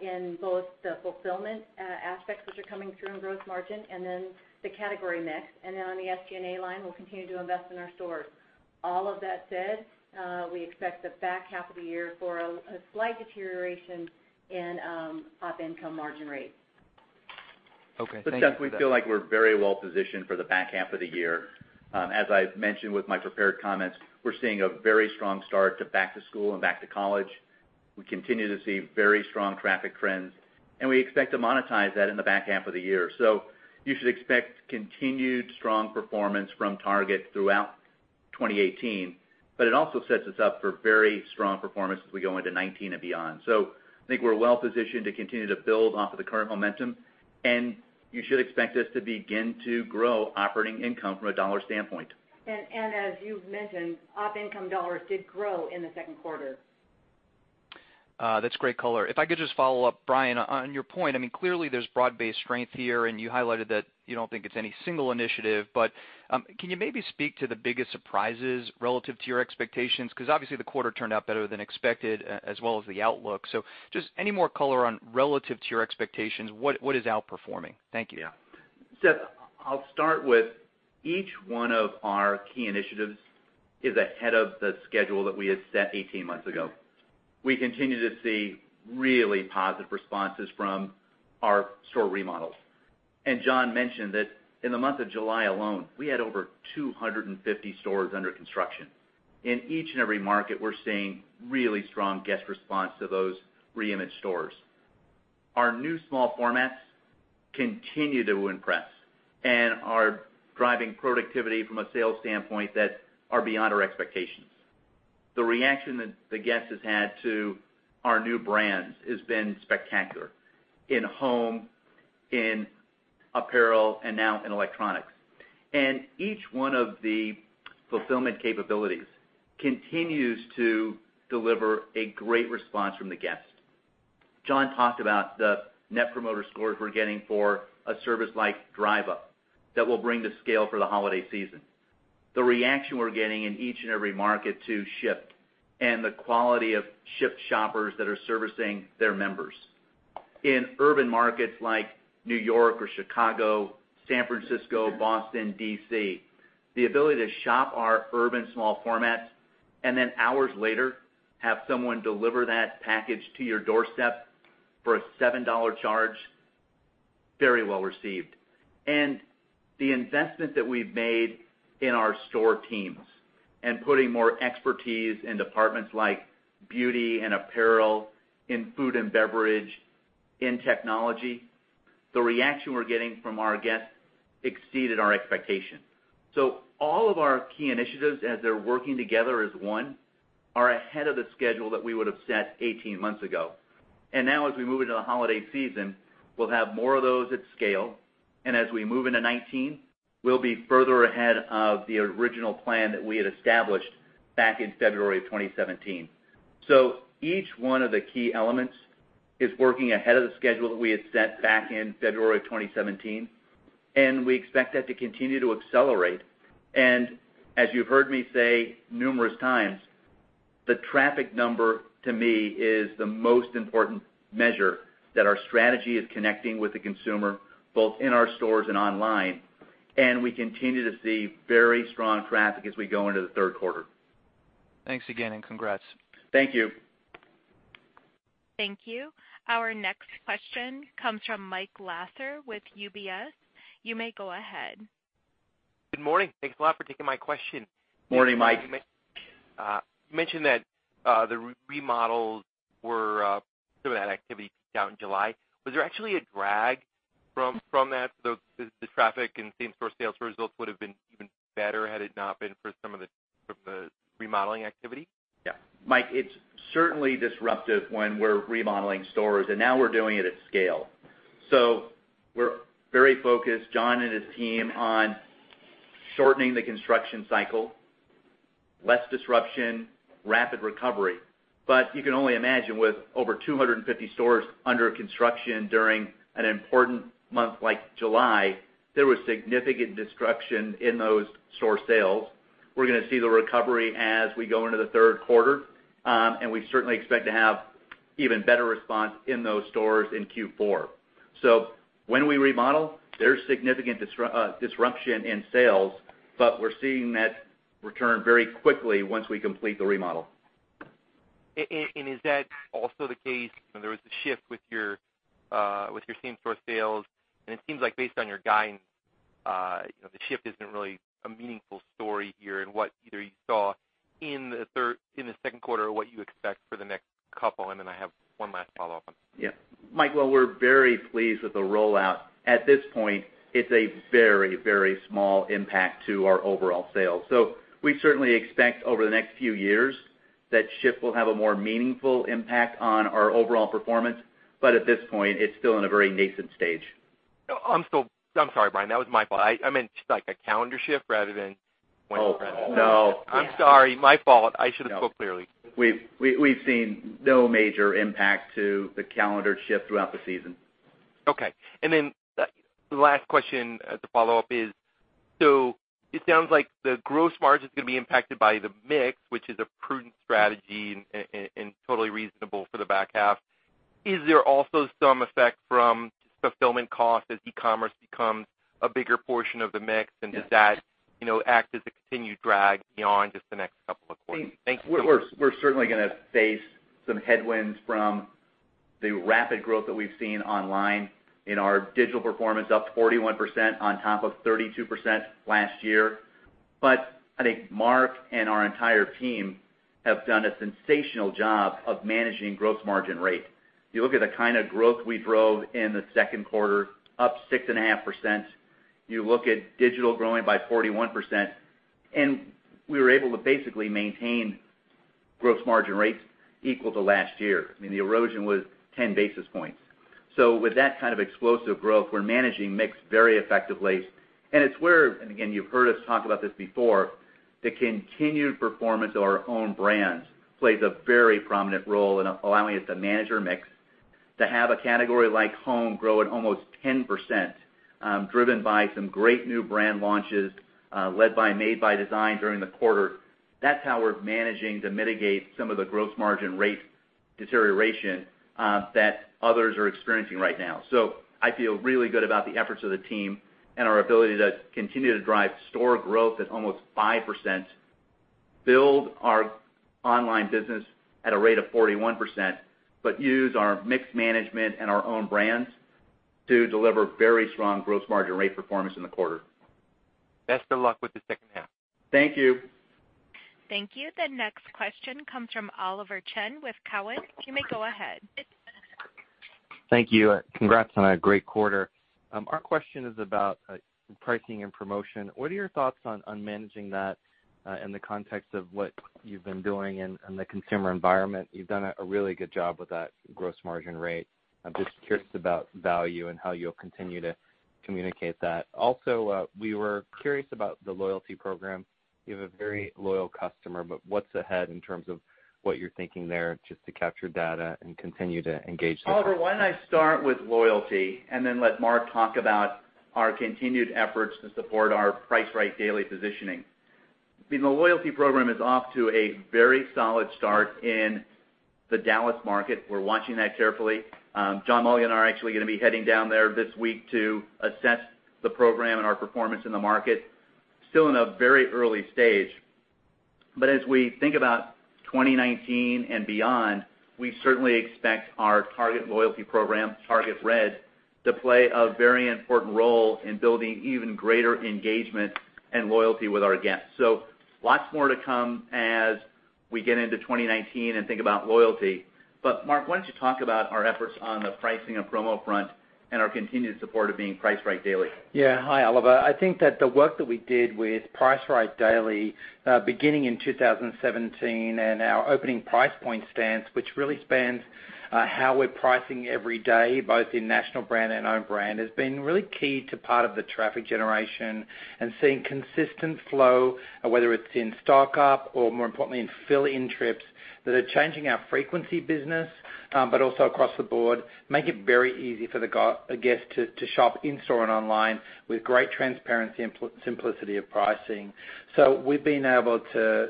in both the fulfillment aspects which are coming through in gross margin and then the category mix. Then on the SG&A line, we'll continue to invest in our stores. All of that said, we expect the back half of the year for a slight deterioration in op income margin rates. Okay. Thank you for that. Seth, we feel like we're very well-positioned for the back half of the year. As I've mentioned with my prepared comments, we're seeing a very strong start to back to school and back to college. We continue to see very strong traffic trends, and we expect to monetize that in the back half of the year. You should expect continued strong performance from Target throughout 2018, but it also sets us up for very strong performance as we go into 2019 and beyond. I think we're well positioned to continue to build off of the current momentum, and you should expect us to begin to grow operating income from a dollar standpoint. As you've mentioned, op income dollars did grow in the second quarter. That's great color. If I could just follow up, Brian, on your point. I mean, clearly, there's broad-based strength here, and you highlighted that you don't think it's any single initiative, but can you maybe speak to the biggest surprises relative to your expectations? Because obviously, the quarter turned out better than expected, as well as the outlook. Just any more color on relative to your expectations, what is outperforming? Thank you. Seth, I'll start with each one of our key initiatives is ahead of the schedule that we had set 18 months ago. We continue to see really positive responses from our store remodels. John mentioned that in the month of July alone, we had over 250 stores under construction. In each and every market, we're seeing really strong guest response to those reimaged stores. Our new small formats continue to impress and are driving productivity from a sales standpoint that are beyond our expectations. The reaction that the guest has had to our new brands has been spectacular in home, in apparel, and now in electronics. Each one of the fulfillment capabilities continues to deliver a great response from the guest. John talked about the net promoter scores we're getting for a service like Drive Up that we'll bring to scale for the holiday season. The reaction we're getting in each and every market to Shipt, and the quality of Shipt shoppers that are servicing their members. In urban markets like New York or Chicago, San Francisco, Boston, D.C., the ability to shop our urban small formats, and then hours later, have someone deliver that package to your doorstep for a $7 charge, very well received. The investment that we've made in our store teams and putting more expertise in departments like beauty and apparel, in food and beverage, in technology, the reaction we're getting from our guests exceeded our expectation. All of our key initiatives, as they're working together as one, are ahead of the schedule that we would've set 18 months ago. Now, as we move into the holiday season, we'll have more of those at scale. As we move into 2019, we'll be further ahead of the original plan that we had established back in February of 2017. Each one of the key elements is working ahead of the schedule that we had set back in February of 2017, and we expect that to continue to accelerate. As you've heard me say numerous times, the traffic number, to me, is the most important measure that our strategy is connecting with the consumer, both in our stores and online. We continue to see very strong traffic as we go into the third quarter. Thanks again, and congrats. Thank you. Thank you. Our next question comes from Michael Lasser with UBS. You may go ahead. Good morning. Thanks a lot for taking my question. Morning, Mike. You mentioned that the remodels, some of that activity peaked out in July. Was there actually a drag from that, the traffic and same-store sales results would've been even better had it not been for some of the remodeling activity? Yeah. Mike, it's certainly disruptive when we're remodeling stores. Now we're doing it at scale. We're very focused, John and his team, on shortening the construction cycle, less disruption, rapid recovery. You can only imagine with over 250 stores under construction during an important month like July, there was significant disruption in those store sales. We're going to see the recovery as we go into the third quarter. We certainly expect to have even better response in those stores in Q4. When we remodel, there's significant disruption in sales, but we're seeing that return very quickly once we complete the remodel. Is that also the case when there was a shift with your same-store sales? It seems like based on your guidance, the shift isn't really a meaningful story here in what either you saw in the second quarter or what you expect for the next couple. I have one last follow-up on that. Yeah. Mike, while we're very pleased with the rollout, at this point, it's a very small impact to our overall sales. We certainly expect over the next few years that Shipt will have a more meaningful impact on our overall performance. At this point, it's still in a very nascent stage. I'm sorry, Brian. That was my fault. I meant just like a calendar shift. Oh. I'm sorry. My fault. I should have spoke clearly. We've seen no major impact to the calendar shift throughout the season. Okay. The last question as a follow-up is, so it sounds like the gross margin is going to be impacted by the mix, which is a prudent strategy and totally reasonable for the back half. Is there also some effect from fulfillment cost as e-commerce becomes a bigger portion of the mix? Yeah Does that act as a continued drag beyond just the next couple of quarters? Thank you. We're certainly going to face some headwinds from the rapid growth that we've seen online in our digital performance, up 41% on top of 32% last year. I think Mark and our entire team have done a sensational job of managing gross margin rate. You look at the kind of growth we drove in the second quarter, up 6.5%. You look at digital growing by 41%, we were able to basically maintain gross margin rates equal to last year. I mean, the erosion was 10 basis points. With that kind of explosive growth, we're managing mix very effectively. It's where, and again, you've heard us talk about this before, the continued performance of our own brands plays a very prominent role in allowing us to manage our mix. To have a category like home grow at almost 10%, driven by some great new brand launches, led by Made by Design during the quarter. That's how we're managing to mitigate some of the gross margin rate deterioration that others are experiencing right now. I feel really good about the efforts of the team and our ability to continue to drive store growth at almost 5%, build our online business at a rate of 41%, use our mix management and our own brands to deliver very strong gross margin rate performance in the quarter. Best of luck with the second half. Thank you. Thank you. The next question comes from Oliver Chen with Cowen. You may go ahead. Thank you. Congrats on a great quarter. Our question is about pricing and promotion. What are your thoughts on managing that in the context of what you've been doing in the consumer environment? You've done a really good job with that gross margin rate. I'm just curious about value and how you'll continue to communicate that. Also, we were curious about the loyalty program. You have a very loyal customer, but what's ahead in terms of what you're thinking there just to capture data and continue to engage the customer? Oliver, why don't I start with loyalty and then let Mark talk about our continued efforts to support our Priced Right Daily positioning. The loyalty program is off to a very solid start in the Dallas market. We're watching that carefully. John Mulligan and I are actually going to be heading down there this week to assess the program and our performance in the market. Still in a very early stage. As we think about 2019 and beyond, we certainly expect our Target loyalty program, Target Red, to play a very important role in building even greater engagement and loyalty with our guests. Lots more to come as we get into 2019 and think about loyalty. Mark, why don't you talk about our efforts on the pricing and promo front and our continued support of being Priced Right Daily? Yeah. Hi, Oliver. I think that the work that we did with Priced Right Daily, beginning in 2017 and our opening price point stance, which really spans how we're pricing every day, both in national brand and own brand, has been really key to part of the traffic generation and seeing consistent flow, whether it's in stock-up or more importantly, in fill-in trips that are changing our frequency business, but also across the board, make it very easy for the guest to shop in-store and online with great transparency and simplicity of pricing. We've been able to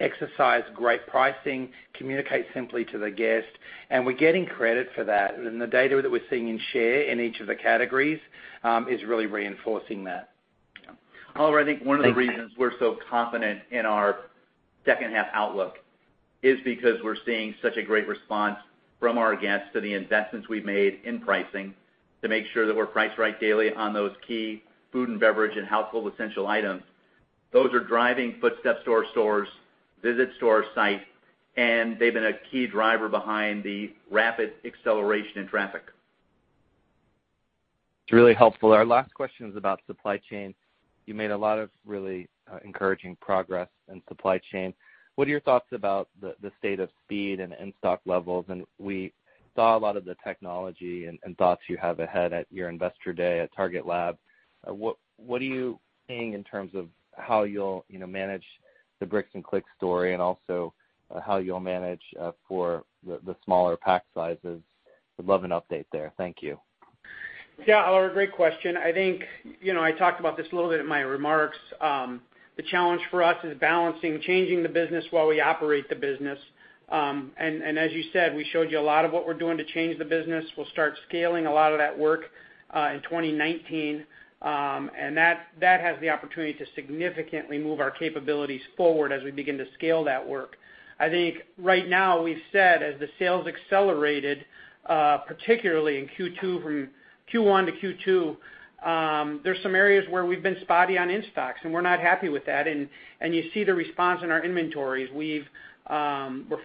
exercise great pricing, communicate simply to the guest, and we're getting credit for that. The data that we're seeing in share in each of the categories, is really reinforcing that. Oliver, I think one of the reasons we're so confident in our second half outlook is because we're seeing such a great response from our guests to the investments we've made in pricing to make sure that we're Priced Right Daily on those key food and beverage and household essential items. Those are driving footstep to our stores, visits to our site, and they've been a key driver behind the rapid acceleration in traffic. It's really helpful. Our last question is about supply chain. You made a lot of really encouraging progress in supply chain. What are your thoughts about the state of speed and in-stock levels? We saw a lot of the technology and thoughts you have ahead at your Investor Day at Target Lab. What are you seeing in terms of how you'll manage the bricks and clicks story and also how you'll manage for the smaller pack sizes? I'd love an update there. Thank you. Yeah, Oliver, great question. I talked about this a little bit in my remarks. The challenge for us is balancing changing the business while we operate the business. As you said, we showed you a lot of what we're doing to change the business. We'll start scaling a lot of that work in 2019. That has the opportunity to significantly move our capabilities forward as we begin to scale that work. I think right now, we've said, as the sales accelerated, particularly in Q2 from Q1 to Q2, there's some areas where we've been spotty on in-stocks, and we're not happy with that. You see the response in our inventories. We're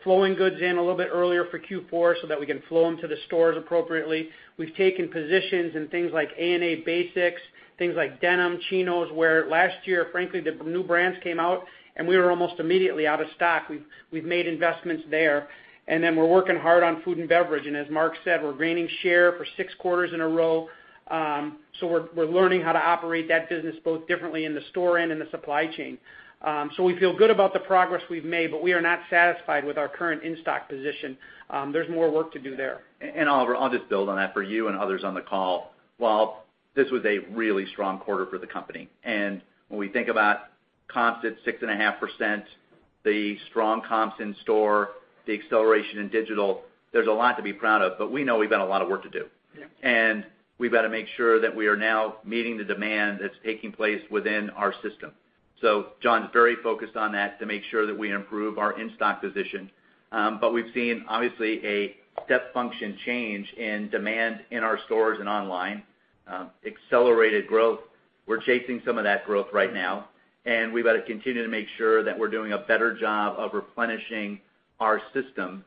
flowing goods in a little bit earlier for Q4 so that we can flow them to the stores appropriately. We've taken positions in things like A New Day basics, things like denim, chinos, where last year, frankly, the new brands came out and we were almost immediately out of stock. We've made investments there. We're working hard on food and beverage. As Mark said, we're gaining share for six quarters in a row. We're learning how to operate that business both differently in the store and in the supply chain. We feel good about the progress we've made, we are not satisfied with our current in-stock position. There's more work to do there. Oliver, I'll just build on that for you and others on the call. While this was a really strong quarter for the company, when we think about constant 6.5%, the strong comps in store, the acceleration in digital, there's a lot to be proud of, we know we've got a lot of work to do. Yeah. We've got to make sure that we are now meeting the demand that's taking place within our system. John's very focused on that to make sure that we improve our in-stock position. We've seen, obviously, a step function change in demand in our stores and online, accelerated growth. We're chasing some of that growth right now, we've got to continue to make sure that we're doing a better job of replenishing our system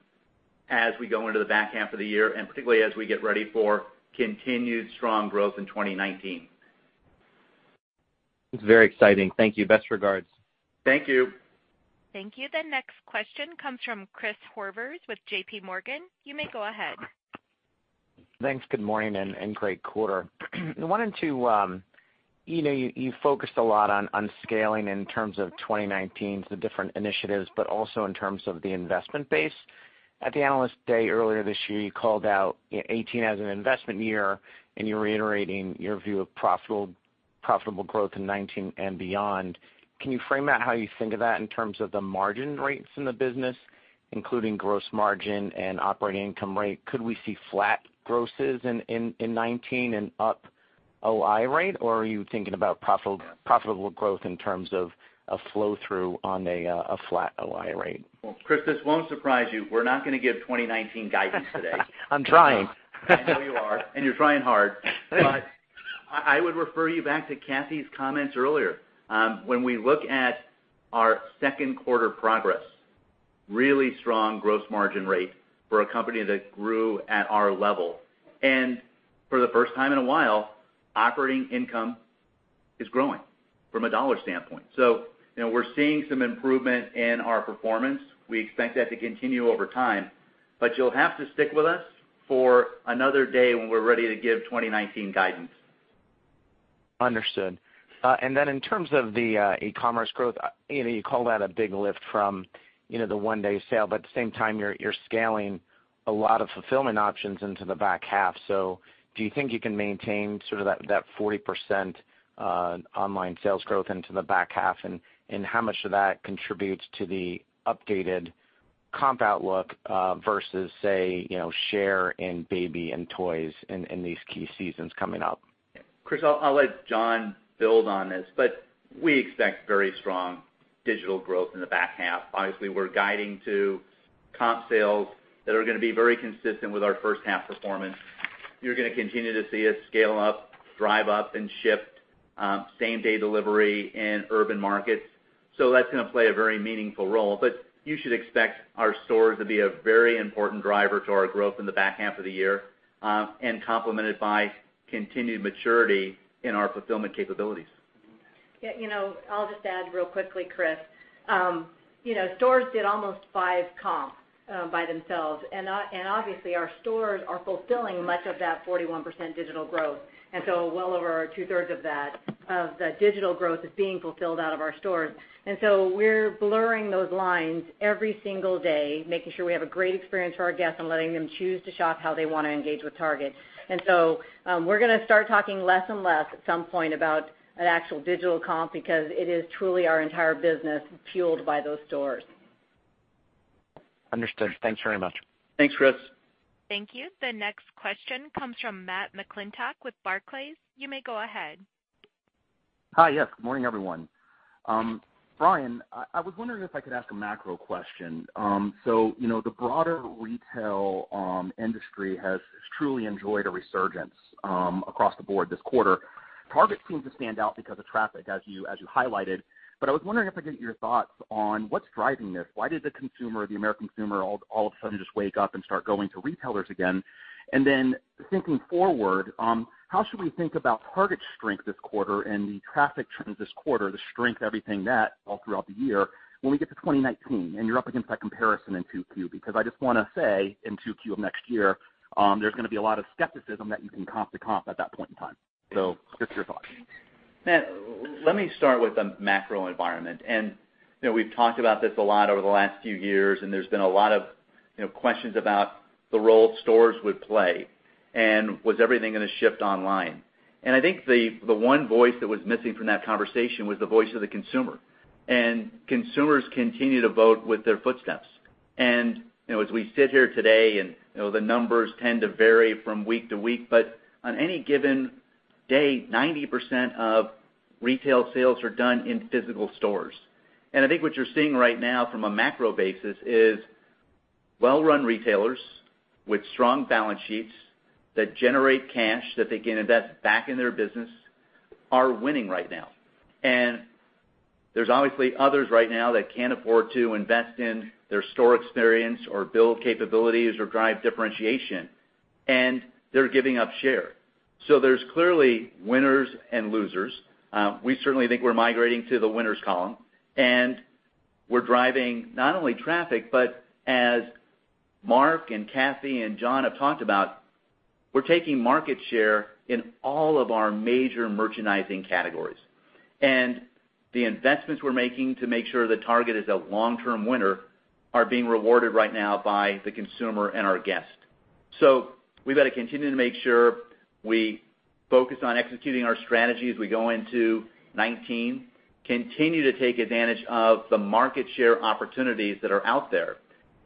as we go into the back half of the year, particularly as we get ready for continued strong growth in 2019. It's very exciting. Thank you. Best regards. Thank you. Thank you. The next question comes from Christopher Horvers with JPMorgan. You may go ahead. Thanks. Good morning and great quarter. You focused a lot on scaling in terms of 2019, the different initiatives, but also in terms of the investment base. At the Analyst Day earlier this year, you called out 2018 as an investment year and you're reiterating your view of profitable growth in 2019 and beyond. Can you frame out how you think of that in terms of the margin rates in the business, including gross margin and operating income rate? Could we see flat grosses in 2019 and up OI rate, or are you thinking about profitable growth in terms of a flow-through on a flat OI rate? Well, Chris, this won't surprise you. We're not going to give 2019 guidance today. I'm trying. I know you are, and you're trying hard. I would refer you back to Cathy's comments earlier. When we look at our second quarter progress, really strong gross margin rate for a company that grew at our level. For the first time in a while, operating income is growing from a dollar standpoint. We're seeing some improvement in our performance. We expect that to continue over time, but you'll have to stick with us for another day when we're ready to give 2019 guidance. Understood. In terms of the e-commerce growth, you call that a big lift from the One-Day Sale, but at the same time, you're scaling a lot of fulfillment options into the back half. Do you think you can maintain sort of that 40% online sales growth into the back half, and how much of that contributes to the updated comp outlook versus, say, share in baby and toys in these key seasons coming up? Chris, I'll let John build on this, but we expect very strong digital growth in the back half. Obviously, we're guiding to comp sales that are going to be very consistent with our first half performance. You're going to continue to see us scale up, Drive Up, and Shipt Same Day Delivery in urban markets. That's going to play a very meaningful role, but you should expect our stores to be a very important driver to our growth in the back half of the year, and complemented by continued maturity in our fulfillment capabilities. Yeah, I'll just add real quickly, Chris. Stores did almost five comp by themselves, and obviously, our stores are fulfilling much of that 41% digital growth. Well over two-thirds of that digital growth is being fulfilled out of our stores. We're blurring those lines every single day, making sure we have a great experience for our guests and letting them choose to shop how they want to engage with Target. We're going to start talking less and less at some point about an actual digital comp because it is truly our entire business fueled by those stores. Understood. Thanks very much. Thanks, Chris. Thank you. The next question comes from Matthew McClintock with Barclays. You may go ahead. Hi. Yes. Good morning, everyone. Brian, I was wondering if I could ask a macro question. The broader retail industry has truly enjoyed a resurgence across the board this quarter. Target seems to stand out because of traffic, as you highlighted. I was wondering if I could get your thoughts on what's driving this. Why did the American consumer all of a sudden just wake up and start going to retailers again? Thinking forward, how should we think about Target's strength this quarter and the traffic trends this quarter, the strength, everything that all throughout the year when we get to 2019 and you're up against that comparison in Q2? I just want to say in Q2 of next year, there's going to be a lot of skepticism that you can comp to comp at that point in time. Just your thoughts. Matt, let me start with the macro environment. We've talked about this a lot over the last few years, and there's been a lot of questions about the role stores would play and was everything going to shift online. I think the one voice that was missing from that conversation was the voice of the consumer. Consumers continue to vote with their footsteps. As we sit here today, and the numbers tend to vary from week to week, but on any given day, 90% of retail sales are done in physical stores. I think what you're seeing right now from a macro basis is well-run retailers with strong balance sheets that generate cash that they can invest back in their business are winning right now. There's obviously others right now that can't afford to invest in their store experience or build capabilities or drive differentiation, and they're giving up share. There's clearly winners and losers. We certainly think we're migrating to the winners column, and we're driving not only traffic, but as Mark and Cathy and John have talked about, we're taking market share in all of our major merchandising categories. The investments we're making to make sure that Target is a long-term winner are being rewarded right now by the consumer and our guests. We've got to continue to make sure we focus on executing our strategy as we go into 2019, continue to take advantage of the market share opportunities that are out there.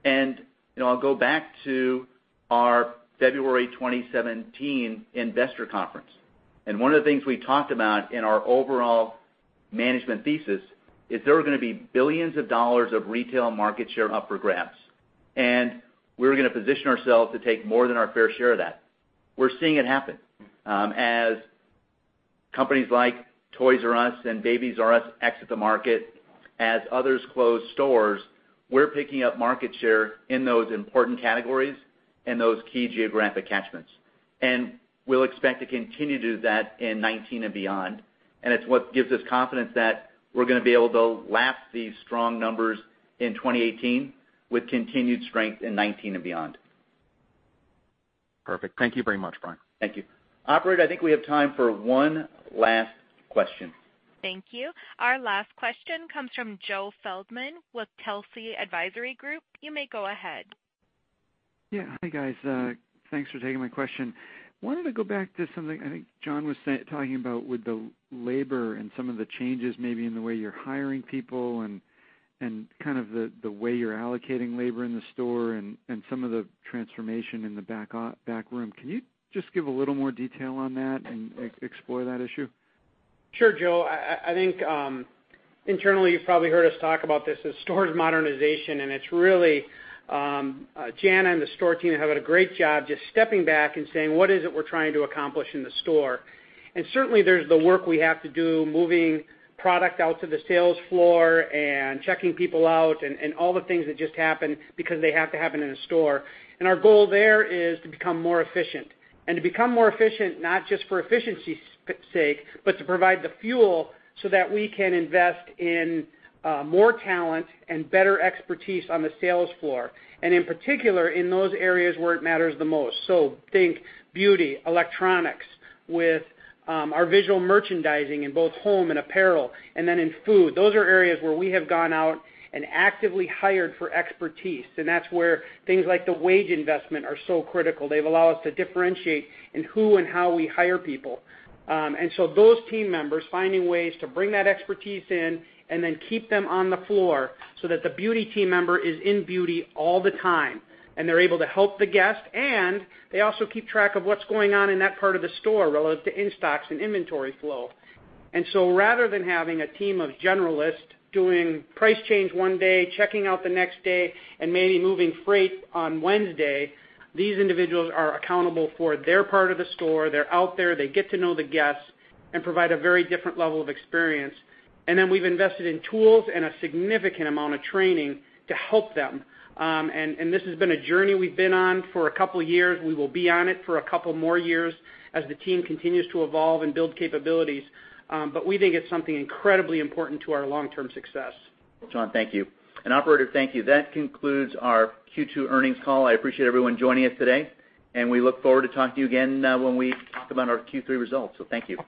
And I'll go back to our February 2017 investor conference. One of the things we talked about in our overall management thesis is there were going to be $ billions of retail market share up for grabs, and we were going to position ourselves to take more than our fair share of that. We're seeing it happen. As companies like Toys "R" Us and Babies "R" Us exit the market, as others close stores, we're picking up market share in those important categories and those key geographic catchments. We'll expect to continue to do that in 2019 and beyond. It's what gives us confidence that we're going to be able to lap these strong numbers in 2018 with continued strength in 2019 and beyond. Perfect. Thank you very much, Brian. Thank you. Operator, I think we have time for one last question. Thank you. Our last question comes from Joe Feldman with Telsey Advisory Group. You may go ahead. Yeah. Hi, guys. Thanks for taking my question. Wanted to go back to something I think John was talking about with the labor and some of the changes maybe in the way you're hiring people and kind of the way you're allocating labor in the store and some of the transformation in the back room. Can you just give a little more detail on that and explore that issue? Sure, Joe. I think internally, you've probably heard us talk about this as stores modernization. It's really Jana and the store team have done a great job just stepping back and saying, "What is it we're trying to accomplish in the store?" Certainly there's the work we have to do moving product out to the sales floor and checking people out and all the things that just happen because they have to happen in a store. Our goal there is to become more efficient. To become more efficient, not just for efficiency's sake, but to provide the fuel so that we can invest in more talent and better expertise on the sales floor, and in particular, in those areas where it matters the most. Think beauty, electronics, with our visual merchandising in both home and apparel, and then in food. Those are areas where we have gone out and actively hired for expertise. That's where things like the wage investment are so critical. They've allowed us to differentiate in who and how we hire people. Those team members, finding ways to bring that expertise in and then keep them on the floor so that the beauty team member is in beauty all the time and they're able to help the guest. They also keep track of what's going on in that part of the store relative to in-stocks and inventory flow. Rather than having a team of generalists doing price change one day, checking out the next day, and maybe moving freight on Wednesday, these individuals are accountable for their part of the store. They're out there, they get to know the guests and provide a very different level of experience. We've invested in tools and a significant amount of training to help them. This has been a journey we've been on for a couple of years. We will be on it for a couple more years as the team continues to evolve and build capabilities. We think it's something incredibly important to our long-term success. John, thank you. Operator, thank you. That concludes our Q2 earnings call. I appreciate everyone joining us today. We look forward to talking to you again when we talk about our Q3 results. Thank you.